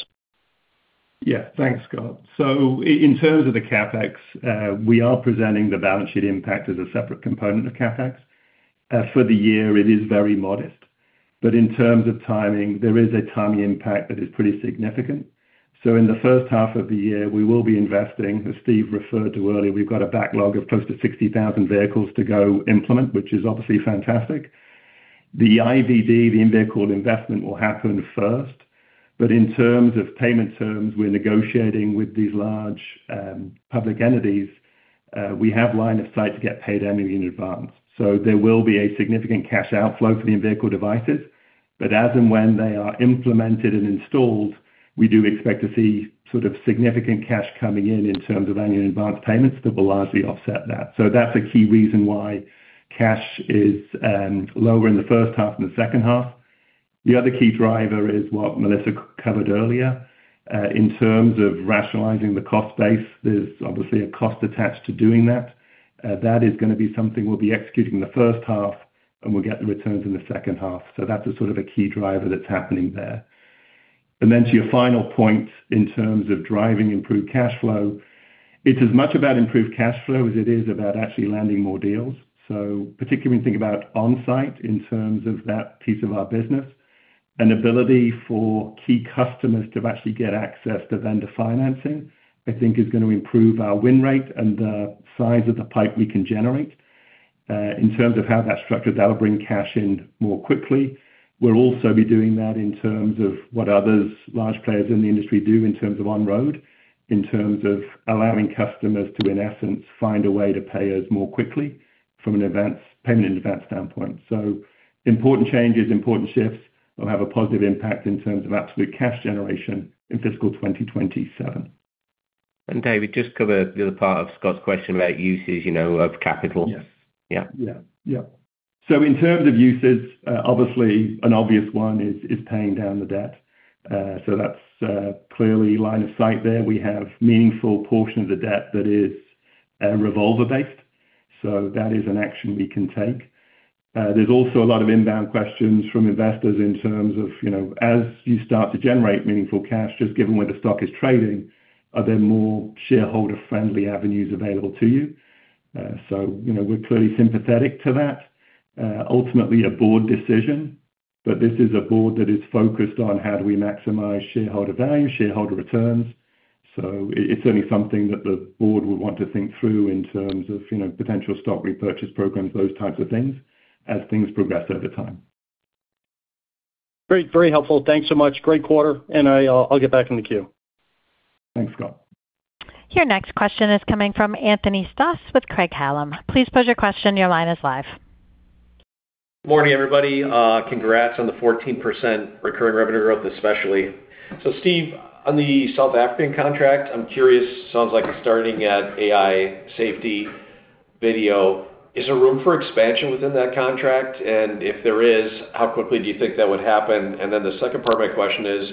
S2: Yeah. Thanks, Scott. In terms of the CapEx, we are presenting the balance sheet impact as a separate component of CapEx. For the year, it is very modest, but in terms of timing, there is a timing impact that is pretty significant. In the first half of the year, we will be investing, as Steve referred to earlier, we've got a backlog of close to 60,000 vehicles to go implement, which is obviously fantastic. The IVD, the in-vehicle investment, will happen first. In terms of payment terms, we're negotiating with these large public entities. We have line of sight to get paid annually in advance. There will be a significant cash outflow for the in-vehicle devices. As and when they are implemented and installed, we do expect to see significant cash coming in terms of annual advance payments that will largely offset that. That's a key reason why cash is lower in the first half than the second half. The other key driver is what Melissa covered earlier in terms of rationalizing the cost base. There's obviously a cost attached to doing that. That is going to be something we'll be executing in the first half, and we'll get the returns in the second half. That's a key driver that's happening there. Then to your final point, in terms of driving improved cash flow, it's as much about improved cash flow as it is about actually landing more deals. Particularly when you think about On-Site in terms of that piece of our business, an ability for key customers to actually get access to vendor financing, I think is going to improve our win rate and the size of the pipe we can generate. In terms of how that's structured, that'll bring cash in more quickly. We'll also be doing that in terms of what others, large players in the industry do in terms of on-road, in terms of allowing customers to, in essence, find a way to pay us more quickly from a payment in advance standpoint. Important changes, important shifts will have a positive impact in terms of absolute cash generation in fiscal 2027.
S3: David, just cover the other part of Scott's question about uses of capital.
S2: Yes.
S3: Yeah.
S2: In terms of uses, obviously an obvious one is paying down the debt. That's clearly line of sight there. We have meaningful portion of the debt that is revolver-based, so that is an action we can take. There's also a lot of inbound questions from investors in terms of, as you start to generate meaningful cash, just given where the stock is trading, are there more shareholder-friendly avenues available to you? We're clearly sympathetic to that. Ultimately a board decision, this is a board that is focused on how do we maximize shareholder value, shareholder returns. It's certainly something that the board will want to think through in terms of potential stock repurchase programs, those types of things, as things progress over time.
S5: Great. Very helpful. Thanks so much. Great quarter. I'll get back in the queue.
S2: Thanks, Scott.
S1: Your next question is coming from Anthony Stoss with Craig-Hallum. Please pose your question. Your line is live.
S6: Morning, everybody. Congrats on the 14% recurring revenue growth especially. Steve, on the South African contract, I'm curious, sounds like you're starting at AI Video. Is there room for expansion within that contract? If there is, how quickly do you think that would happen? Then the second part of my question is,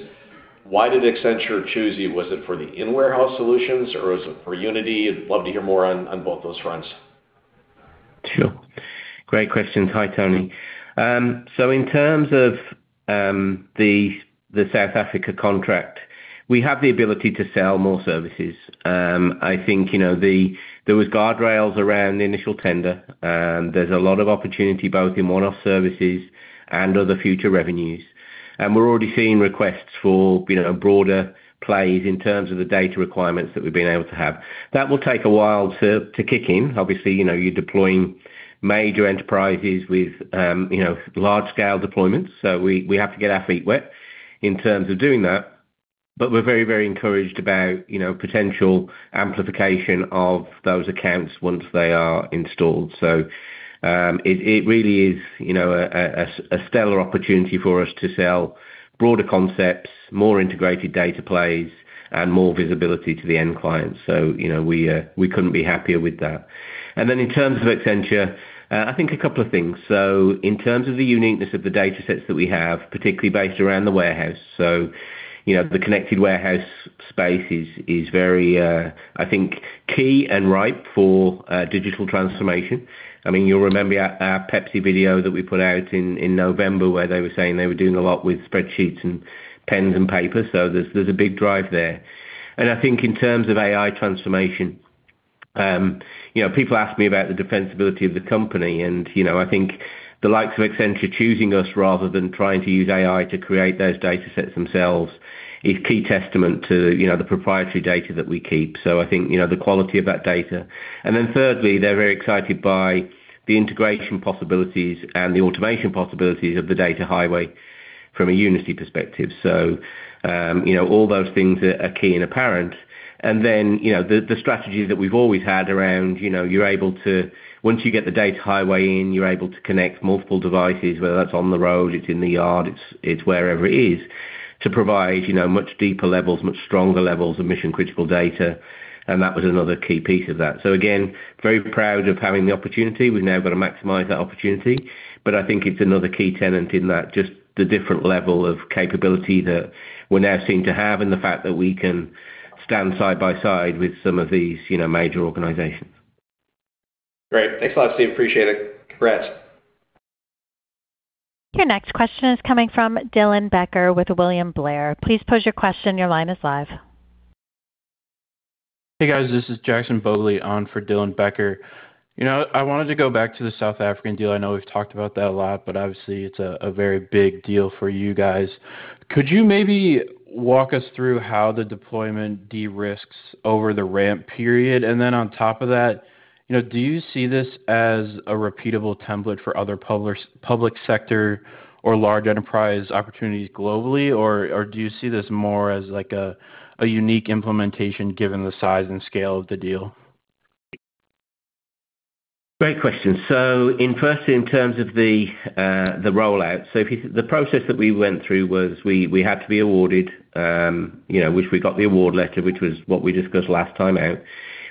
S6: why did Accenture choose you? Was it for the in-warehouse solutions or was it for Unity? I'd love to hear more on both those fronts.
S3: Sure. Great questions. Hi, Tony. In terms of the South Africa contract, we have the ability to sell more services. I think there was guardrails around the initial tender, there's a lot of opportunity both in one-off services and other future revenues. We're already seeing requests for broader plays in terms of the data requirements that we've been able to have. That will take a while to kick in. Obviously, you're deploying major enterprises with large scale deployments. We have to get our feet wet in terms of doing that. But we're very encouraged about potential amplification of those accounts once they are installed. It really is a stellar opportunity for us to sell broader concepts, more integrated data plays, and more visibility to the end client. We couldn't be happier with that. In terms of Accenture, I think a couple of things. In terms of the uniqueness of the data sets that we have, particularly based around the warehouse. The connected warehouse space is very, I think, key and ripe for digital transformation. You'll remember our Pepsi video that we put out in November where they were saying they were doing a lot with spreadsheets and pens and paper. There's a big drive there. I think in terms of AI transformation, people ask me about the defensibility of the company and, I think the likes of Accenture choosing us rather than trying to use AI to create those data sets themselves is key testament to the proprietary data that we keep. I think, the quality of that data. Thirdly, they're very excited by the integration possibilities and the automation possibilities of the data highway from a Unity perspective. All those things are key and apparent. The strategies that we've always had around, once you get the data highway in, you're able to connect multiple devices, whether that's on the road, it's in the yard, it's wherever it is, to provide much deeper levels, much stronger levels of mission-critical data. That was another key piece of that. Again, very proud of having the opportunity. We've now got to maximize that opportunity. I think it's another key tenet in that, just the different level of capability that we now seem to have and the fact that we can stand side by side with some of these major organizations.
S6: Great. Thanks a lot, Steve. Appreciate it. Congrats.
S1: Your next question is coming from Dylan Becker with William Blair. Please pose your question. Your line is live.
S7: Hey, guys. This is Jackson Bogley on for Dylan Becker. I wanted to go back to the South African deal. I know we've talked about that a lot, but obviously it's a very big deal for you guys. Could you maybe walk us through how the deployment de-risks over the ramp period? On top of that, do you see this as a repeatable template for other public sector or large enterprise opportunities globally? Or do you see this more as a unique implementation given the size and scale of the deal?
S3: Great question. Firstly, in terms of the rollout, the process that we went through was that we had to be awarded, which we got the award letter, which was what we discussed last time out.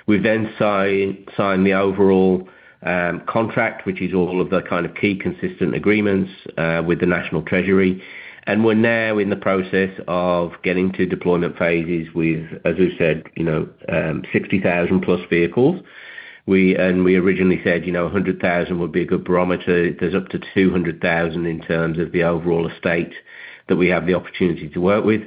S3: We then signed the overall contract, which includes all of the key consistent agreements with the National Treasury. We're now in the process of getting to deployment phases with, as we've said, 60,000-plus vehicles. We originally said 100,000 would be a good barometer. There are up to 200,000 in terms of the overall estate that we have the opportunity to work with.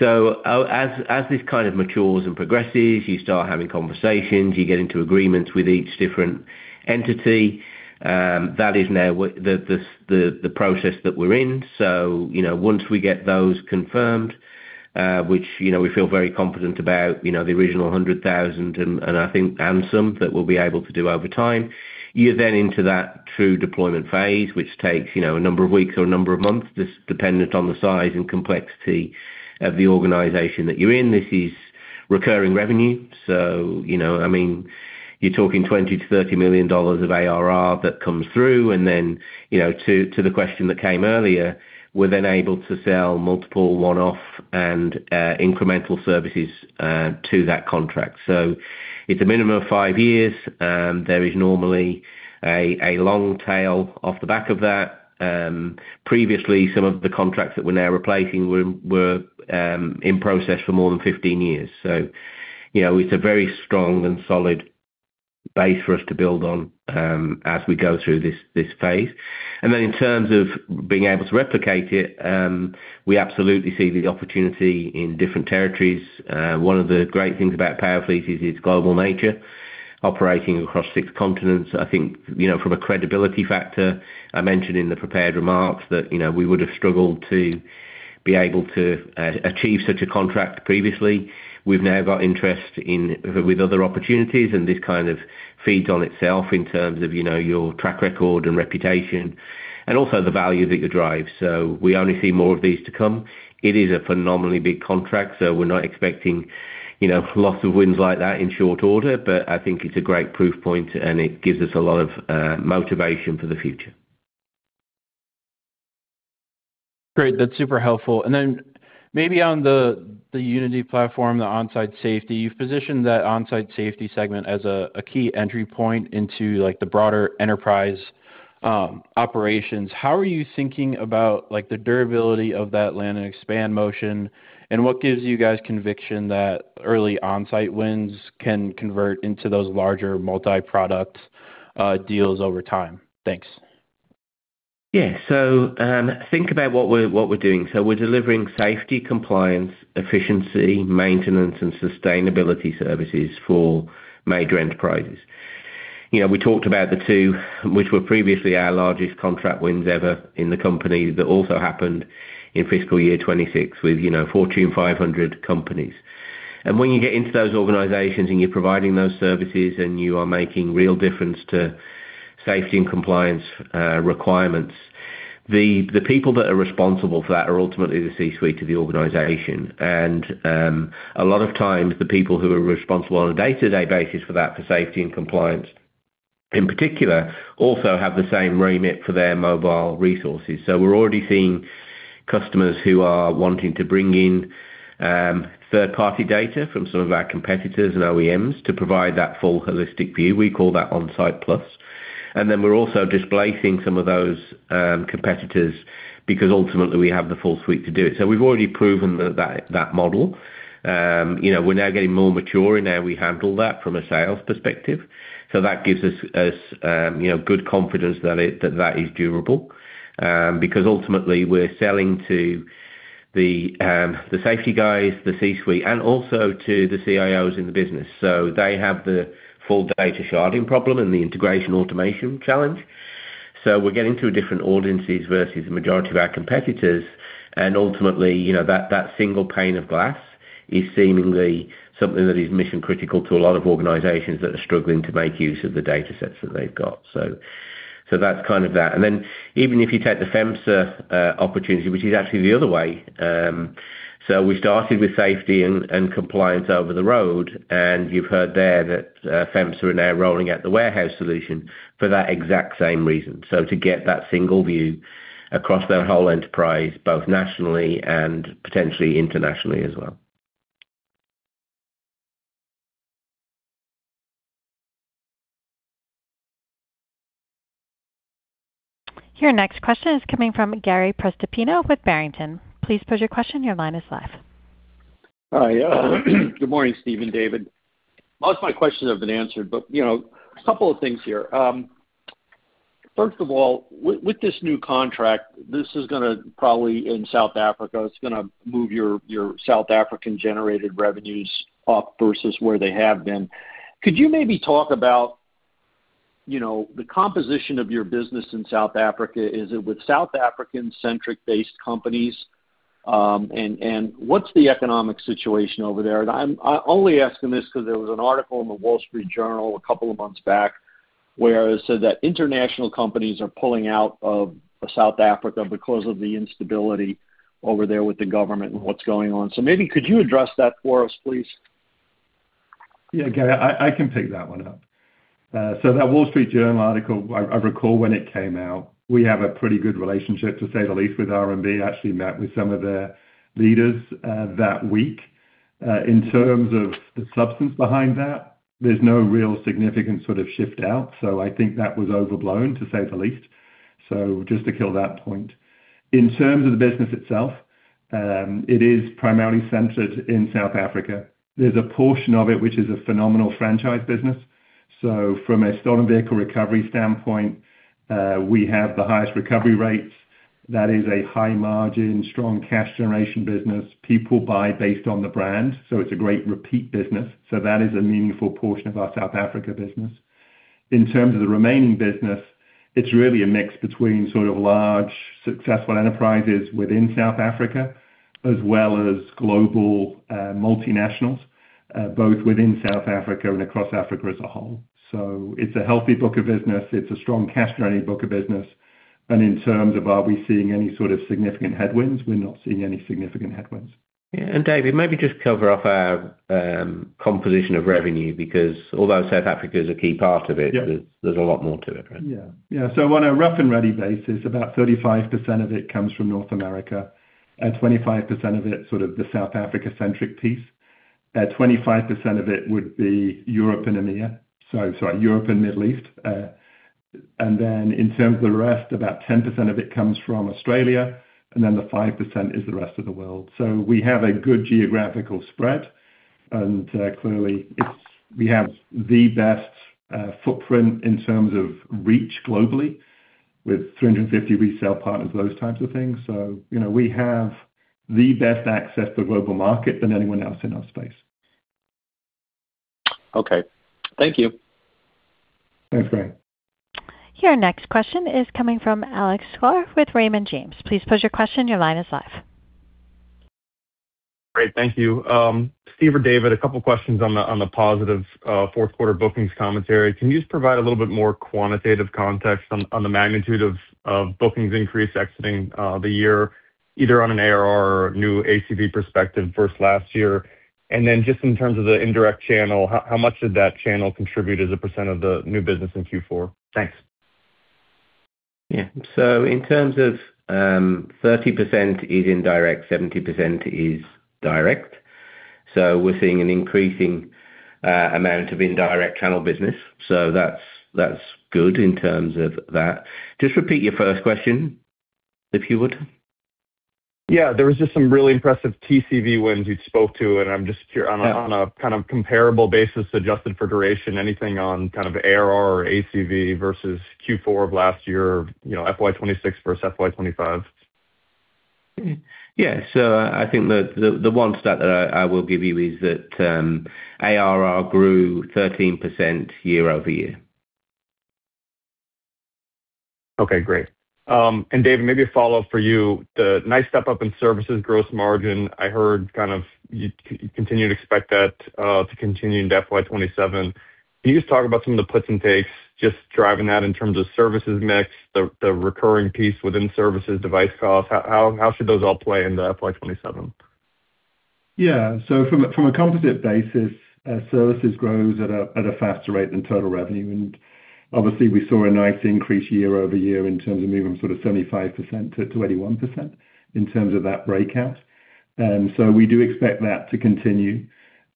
S3: As this matures and progresses, you start having conversations; you get into agreements with each different entity. That is now the process that we're in. Once we get those confirmed, which we feel very confident about, the original 100,000, and I think, and some that we'll be able to do over time, you're then into that true deployment phase, which takes a number of weeks or a number of months, just dependent on the size and complexity of the organization that you're in. This is recurring revenue. You're talking $20 million-$30 million of ARR that comes through. Then, to the question that came earlier, we're then able to sell multiple one-off and incremental services to that contract. It's a minimum of five years. There is normally a long tail off the back of that. Previously, some of the contracts that we're now replacing were in process for more than 15 years. It's a very strong and solid base for us to build on as we go through this phase. In terms of being able to replicate it, we absolutely see the opportunity in different territories. One of the great things about PowerFleet is its global nature, operating across six continents. I think, from a credibility factor, I mentioned in the prepared remarks that we would have struggled to be able to achieve such a contract previously. We've now got interest in other opportunities, and this kind of feeds on itself in terms of your track record and reputation and also the value that you drive. We only see more of these to come. It is a phenomenally big contract; we're not expecting lots of wins like that in short order. I think it's a great proof point, and it gives us a lot of motivation for the future.
S7: Great. That's super helpful. Then maybe on the Unity platform, the On-Site safety, you've positioned that On-Site safety segment as a key entry point into the broader enterprise operations. How are you thinking about the durability of that land and expand motion, and what gives you guys conviction that early On-Site wins can convert into those larger multi-product deals over time? Thanks.
S3: Yeah. Think about what we're doing. We're delivering safety, compliance, efficiency, maintenance, and sustainability services for major enterprises. We talked about the two, which were previously our largest contract wins ever in the company. That also happened in fiscal year 2026 with Fortune 500 companies. When you get into those organizations and you're providing those services and you are making a real difference to safety and compliance requirements, the people that are responsible for that are ultimately the C-suite of the organization. A lot of times, the people who are responsible on a day-to-day basis for that, for safety and compliance in particular, also have the same remit for their mobile resources. We're already seeing customers who are wanting to bring in third-party data from some of our competitors and OEMs to provide that full holistic view. We call that On-Site+. Then we're also displacing some of those competitors because ultimately we have the full suite to do it. We've already proven that model. We're now getting more mature in how we handle that from a sales perspective. That gives us good confidence that it is durable, because ultimately we're selling to the safety guys, the C-suite, and also to the CIOs in the business. They have the full data sharding problem and the integration automation challenge. We're getting to different audiences versus the majority of our competitors. Ultimately, that single pane of glass is seemingly something that is mission-critical to a lot of organizations that are struggling to make use of the datasets that they've got. That's kind of that. Then even if you take the FEMSA opportunity, which is actually the other way. We started with safety and compliance over the road, and you've heard there that FEMSA are now rolling out the warehouse solution for that exact same reason. To get that single view across their whole enterprise, both nationally and potentially internationally as well.
S1: Your next question is coming from Gary Prestopino with Barrington. Please pose your question. Your line is live.
S8: Hi. Good morning, Steve and David. Most of my questions have been answered, but I have a couple of things to ask. First of all, with this new contract, it's probably going to move your South African-generated revenues up in South Africa versus where they have been. Could you maybe talk about the composition of your business in South Africa? Is it with South African-centric companies? What's the economic situation over there? I'm only asking this because there was an article in The Wall Street Journal a couple of months back where it said that international companies are pulling out of South Africa because of the instability over there with the government and what's going on. Could you maybe address that for us, please?
S2: Yeah, Gary, I can pick that one up. That Wall Street Journal article, I recall when it came out, we have a pretty good relationship, to say the least, with RMB. I actually met with some of their leaders that week. In terms of the substance behind that, there's no real significant shift; I think that was overblown, to say the least. Just to clarify that point. In terms of the business itself, it is primarily centered in South Africa. There's a portion of it which is a phenomenal franchise business. From a stolen vehicle recovery standpoint, we have the highest recovery rates. That is a high-margin, strong cash-generation business. People buy based on the brand; it's a great repeat business. That is a meaningful portion of our South Africa business. In terms of the remaining business, it's really a mix between large, successful enterprises within South Africa, as well as global multinationals, both within South Africa and across Africa as a whole. It's a healthy book of business. It's a strong cash-generating book of business. In terms of whether we are seeing any significant headwinds, we are not seeing any.
S3: Yeah, David, maybe just cover off our composition of revenue, because although South Africa is a key part of it-
S2: Yeah
S3: there's a lot more to it, right?
S2: Yeah. On a rough and ready basis, about 35% of it comes from North America. 25% of it, sort of the South Africa-centric piece. 25% of it would be Europe and EMEA. Sorry, Europe and the Middle East. Then, in terms of the rest, about 10% of it comes from Australia, and then the 5% is the rest of the world. We have a good geographical spread. Clearly, we have the best footprint in terms of global reach with 350 resale partners, those types of things. We have better access to the global market than anyone else in our space.
S8: Okay. Thank you.
S2: Thanks, Gary.
S1: Your next question is coming from Alex Sklar with Raymond James. Please pose your question. Your line is live.
S9: Great. Thank you. Steve or David, a couple of questions on the positive fourth-quarter bookings commentary. Can you just provide a little more quantitative context on the magnitude of the bookings increase exiting the year, either from an ARR or new ACV perspective versus last year? And then, in terms of the indirect channel, how much did that channel contribute as a percentage of the new business in Q4? Thanks.
S3: Yeah. In terms of 30% is indirect, 70% is direct. We're seeing an increasing amount of indirect channel business. That's good in terms of that. Just repeat your first question, if you would.
S9: Yeah. There was just some really impressive TCV wins you spoke to.
S3: Yeah
S9: on a kind of comparable basis, adjusted for duration, anything on kind of ARR or ACV versus Q4 of last year, FY 2026 versus FY 2025?
S3: Yeah. I think the one stat that I will give you is that ARR grew 13% year-over-year.
S9: Okay, great. David, maybe a follow-up for you. The nice step up in services gross margin. I heard you continue to expect that to continue into FY 2027. Can you just talk about some of the puts and takes just driving that in terms of services mix, the recurring piece within services, device costs? How should those all play into FY 2027?
S2: Yes. From a composite basis, services grow at a faster rate than total revenue. We saw a nice increase year-over-year in terms of moving from 75% to 21% in that breakout. We do expect that to continue.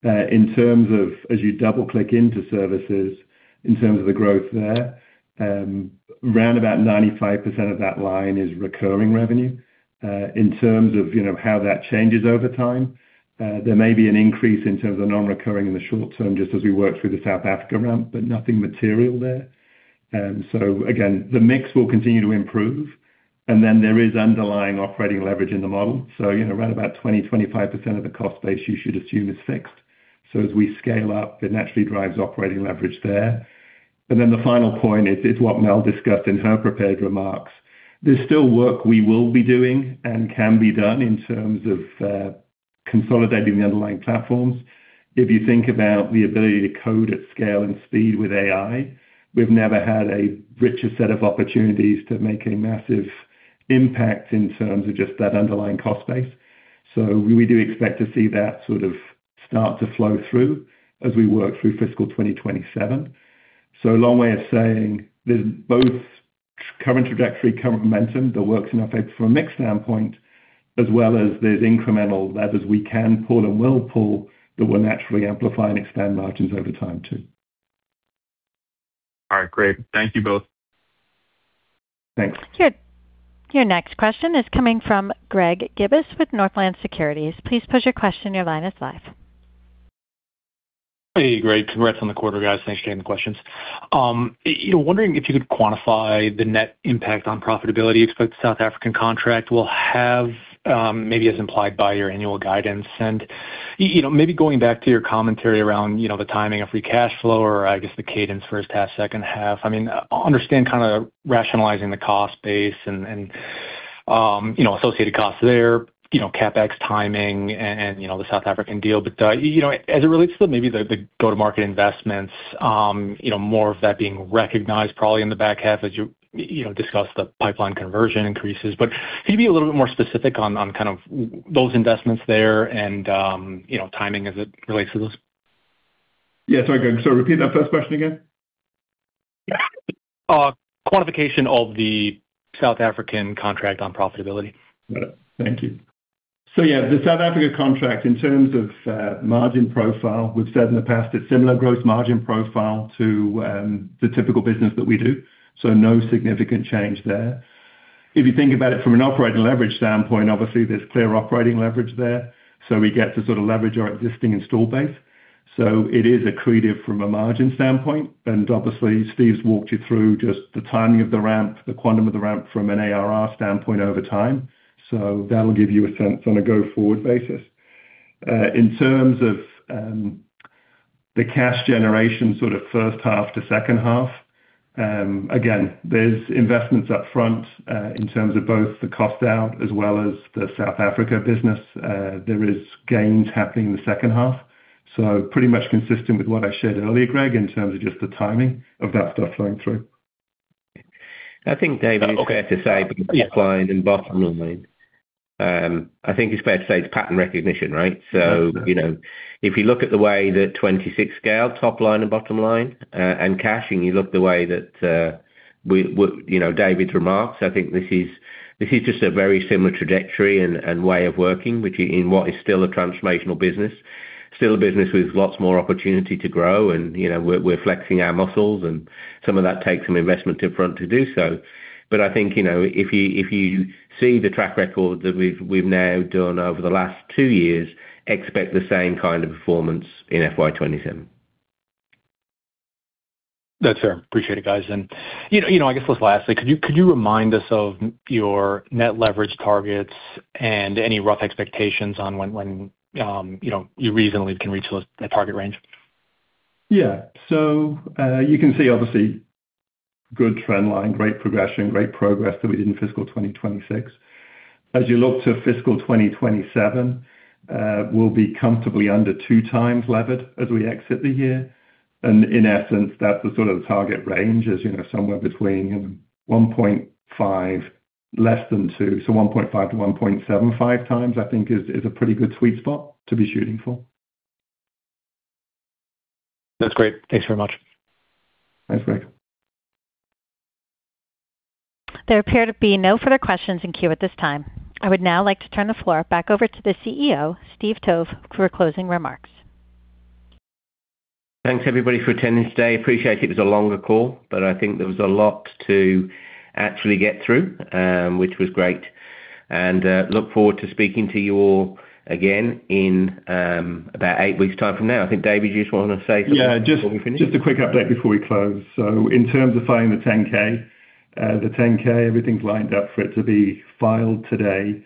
S2: As you double-click into services, in terms of the growth there, around 95% of that line is recurring revenue. In terms of how that changes over time, there may be an increase in non-recurring revenue in the short term as we work through the South Africa ramp, but nothing material there. Again, the mix will continue to improve. There is underlying operating leverage in the model. You should assume around 20%-25% of the cost base is fixed. As we scale up, it naturally drives operating leverage. The final point is what Mel discussed in her prepared remarks. There's still work we will be doing and can be done in terms of consolidating the underlying platforms. If you think about the ability to code at scale and speed with AI, we've never had a richer set of opportunities to make a massive impact in terms of just that underlying cost base. We do expect to see that start to flow through as we work through fiscal 2027. This is a long way of saying there's both current trajectory and current momentum that works in our favor from a mix standpoint, as well as incremental levers we can pull and will pull that will naturally amplify and extend margins over time too.
S9: All right, great. Thank you both.
S2: Thanks.
S1: Your next question is coming from Greg Gibas with Northland Securities. Please pose your question. Your line is live.
S10: Hey, great. Congrats on the quarter, guys. Thanks for taking the questions. I'm wondering if you could quantify the net impact on profitability you expect the South African contract will have, perhaps as implied by your annual guidance. Maybe going back to your commentary around the timing of free cash flow, or I guess the cadence, first half, second half. I understand kind of rationalizing the cost base and associated costs there, CapEx timing, and the South African deal. As it relates to maybe the go-to-market investments, more of that being recognized probably in the back half as you discuss the pipeline conversion increases. Can you be a little bit more specific on kind of those investments there and timing as it relates to those?
S2: Yeah, sorry, Greg. Repeat that first question again.
S10: Yeah. Quantification of the South African contract on profitability.
S2: Got it. Thank you. Yeah, the South Africa contract, in terms of margin profile, we've said in the past, it's a similar gross margin profile to the typical business that we do. No significant change there. If you think about it from an operating leverage standpoint, obviously there's clear operating leverage there. We get to sort of leverage our existing install base. It is accretive from a margin standpoint, and obviously Steve's walked you through just the timing of the ramp, the quantum of the ramp from an ARR standpoint over time. That'll give you a sense on a go-forward basis. In terms of the cash generation sort of first half to second half, again, there are investments up front, in terms of both the cost out as well as the South Africa business. There are gains happening in the second half. pretty much consistent with what I shared earlier, Greg, in terms of just the timing of that stuff flowing through.
S3: I think, David, it's fair to say.
S10: Okay both top line and bottom line. I think it's fair to say it's pattern recognition, right?
S2: Yeah.
S3: If you look at the way that 2026 scaled top line and bottom line, and cash in, and you look at the way David's remarks, I think this is just a very similar trajectory and way of working in what is still a transformational business, still a business with lots more opportunity to grow, and we're flexing our muscles, and some of that takes some investment upfront to do so. I think, if you see the track record that we've now demonstrated over the last two years, expect the same kind of performance in FY 2027.
S10: That's fair. Appreciate it, guys. I guess just lastly, could you remind us of your net leverage targets and any rough expectations on when you reasonably can reach those, that target range?
S2: Yeah, you can see an obviously good trend line, great progression, great progress that we made in fiscal 2026. As you look to fiscal 2027, we'll be comfortably under 2 times levered as we exit the year. In essence, that's the sort of target range, as you know, somewhere between 1.5 and less than two, so 1.5-1.75 times, I think, is a pretty good sweet spot to be shooting for.
S10: That's great. Thanks very much.
S2: Thanks, Greg.
S1: There appear to be no further questions in queue at this time. I would now like to turn the floor back over to the CEO, Steve Towe, for closing remarks.
S3: Thanks everybody for attending today. Appreciate it was a longer call, but I think there was a lot to actually get through, which was great. Look forward to speaking to you all again in about eight weeks' time from now. I think, David, you just want to say something before we finish?
S2: Yeah, just a quick update before we close. In terms of filing the 10-K, everything's lined up for it to be filed today.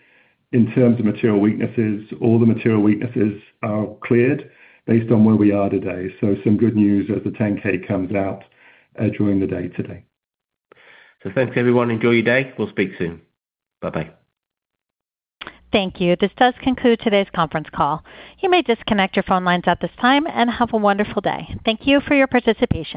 S2: In terms of material weaknesses, all the material weaknesses are cleared based on where we are today. Some good news as the 10-K comes out during the day today.
S3: Thanks everyone. Enjoy your day. We'll speak soon. Bye-bye.
S1: Thank you. This concludes today's conference call. You may disconnect your phone lines at this time and have a wonderful day. Thank you for your participation.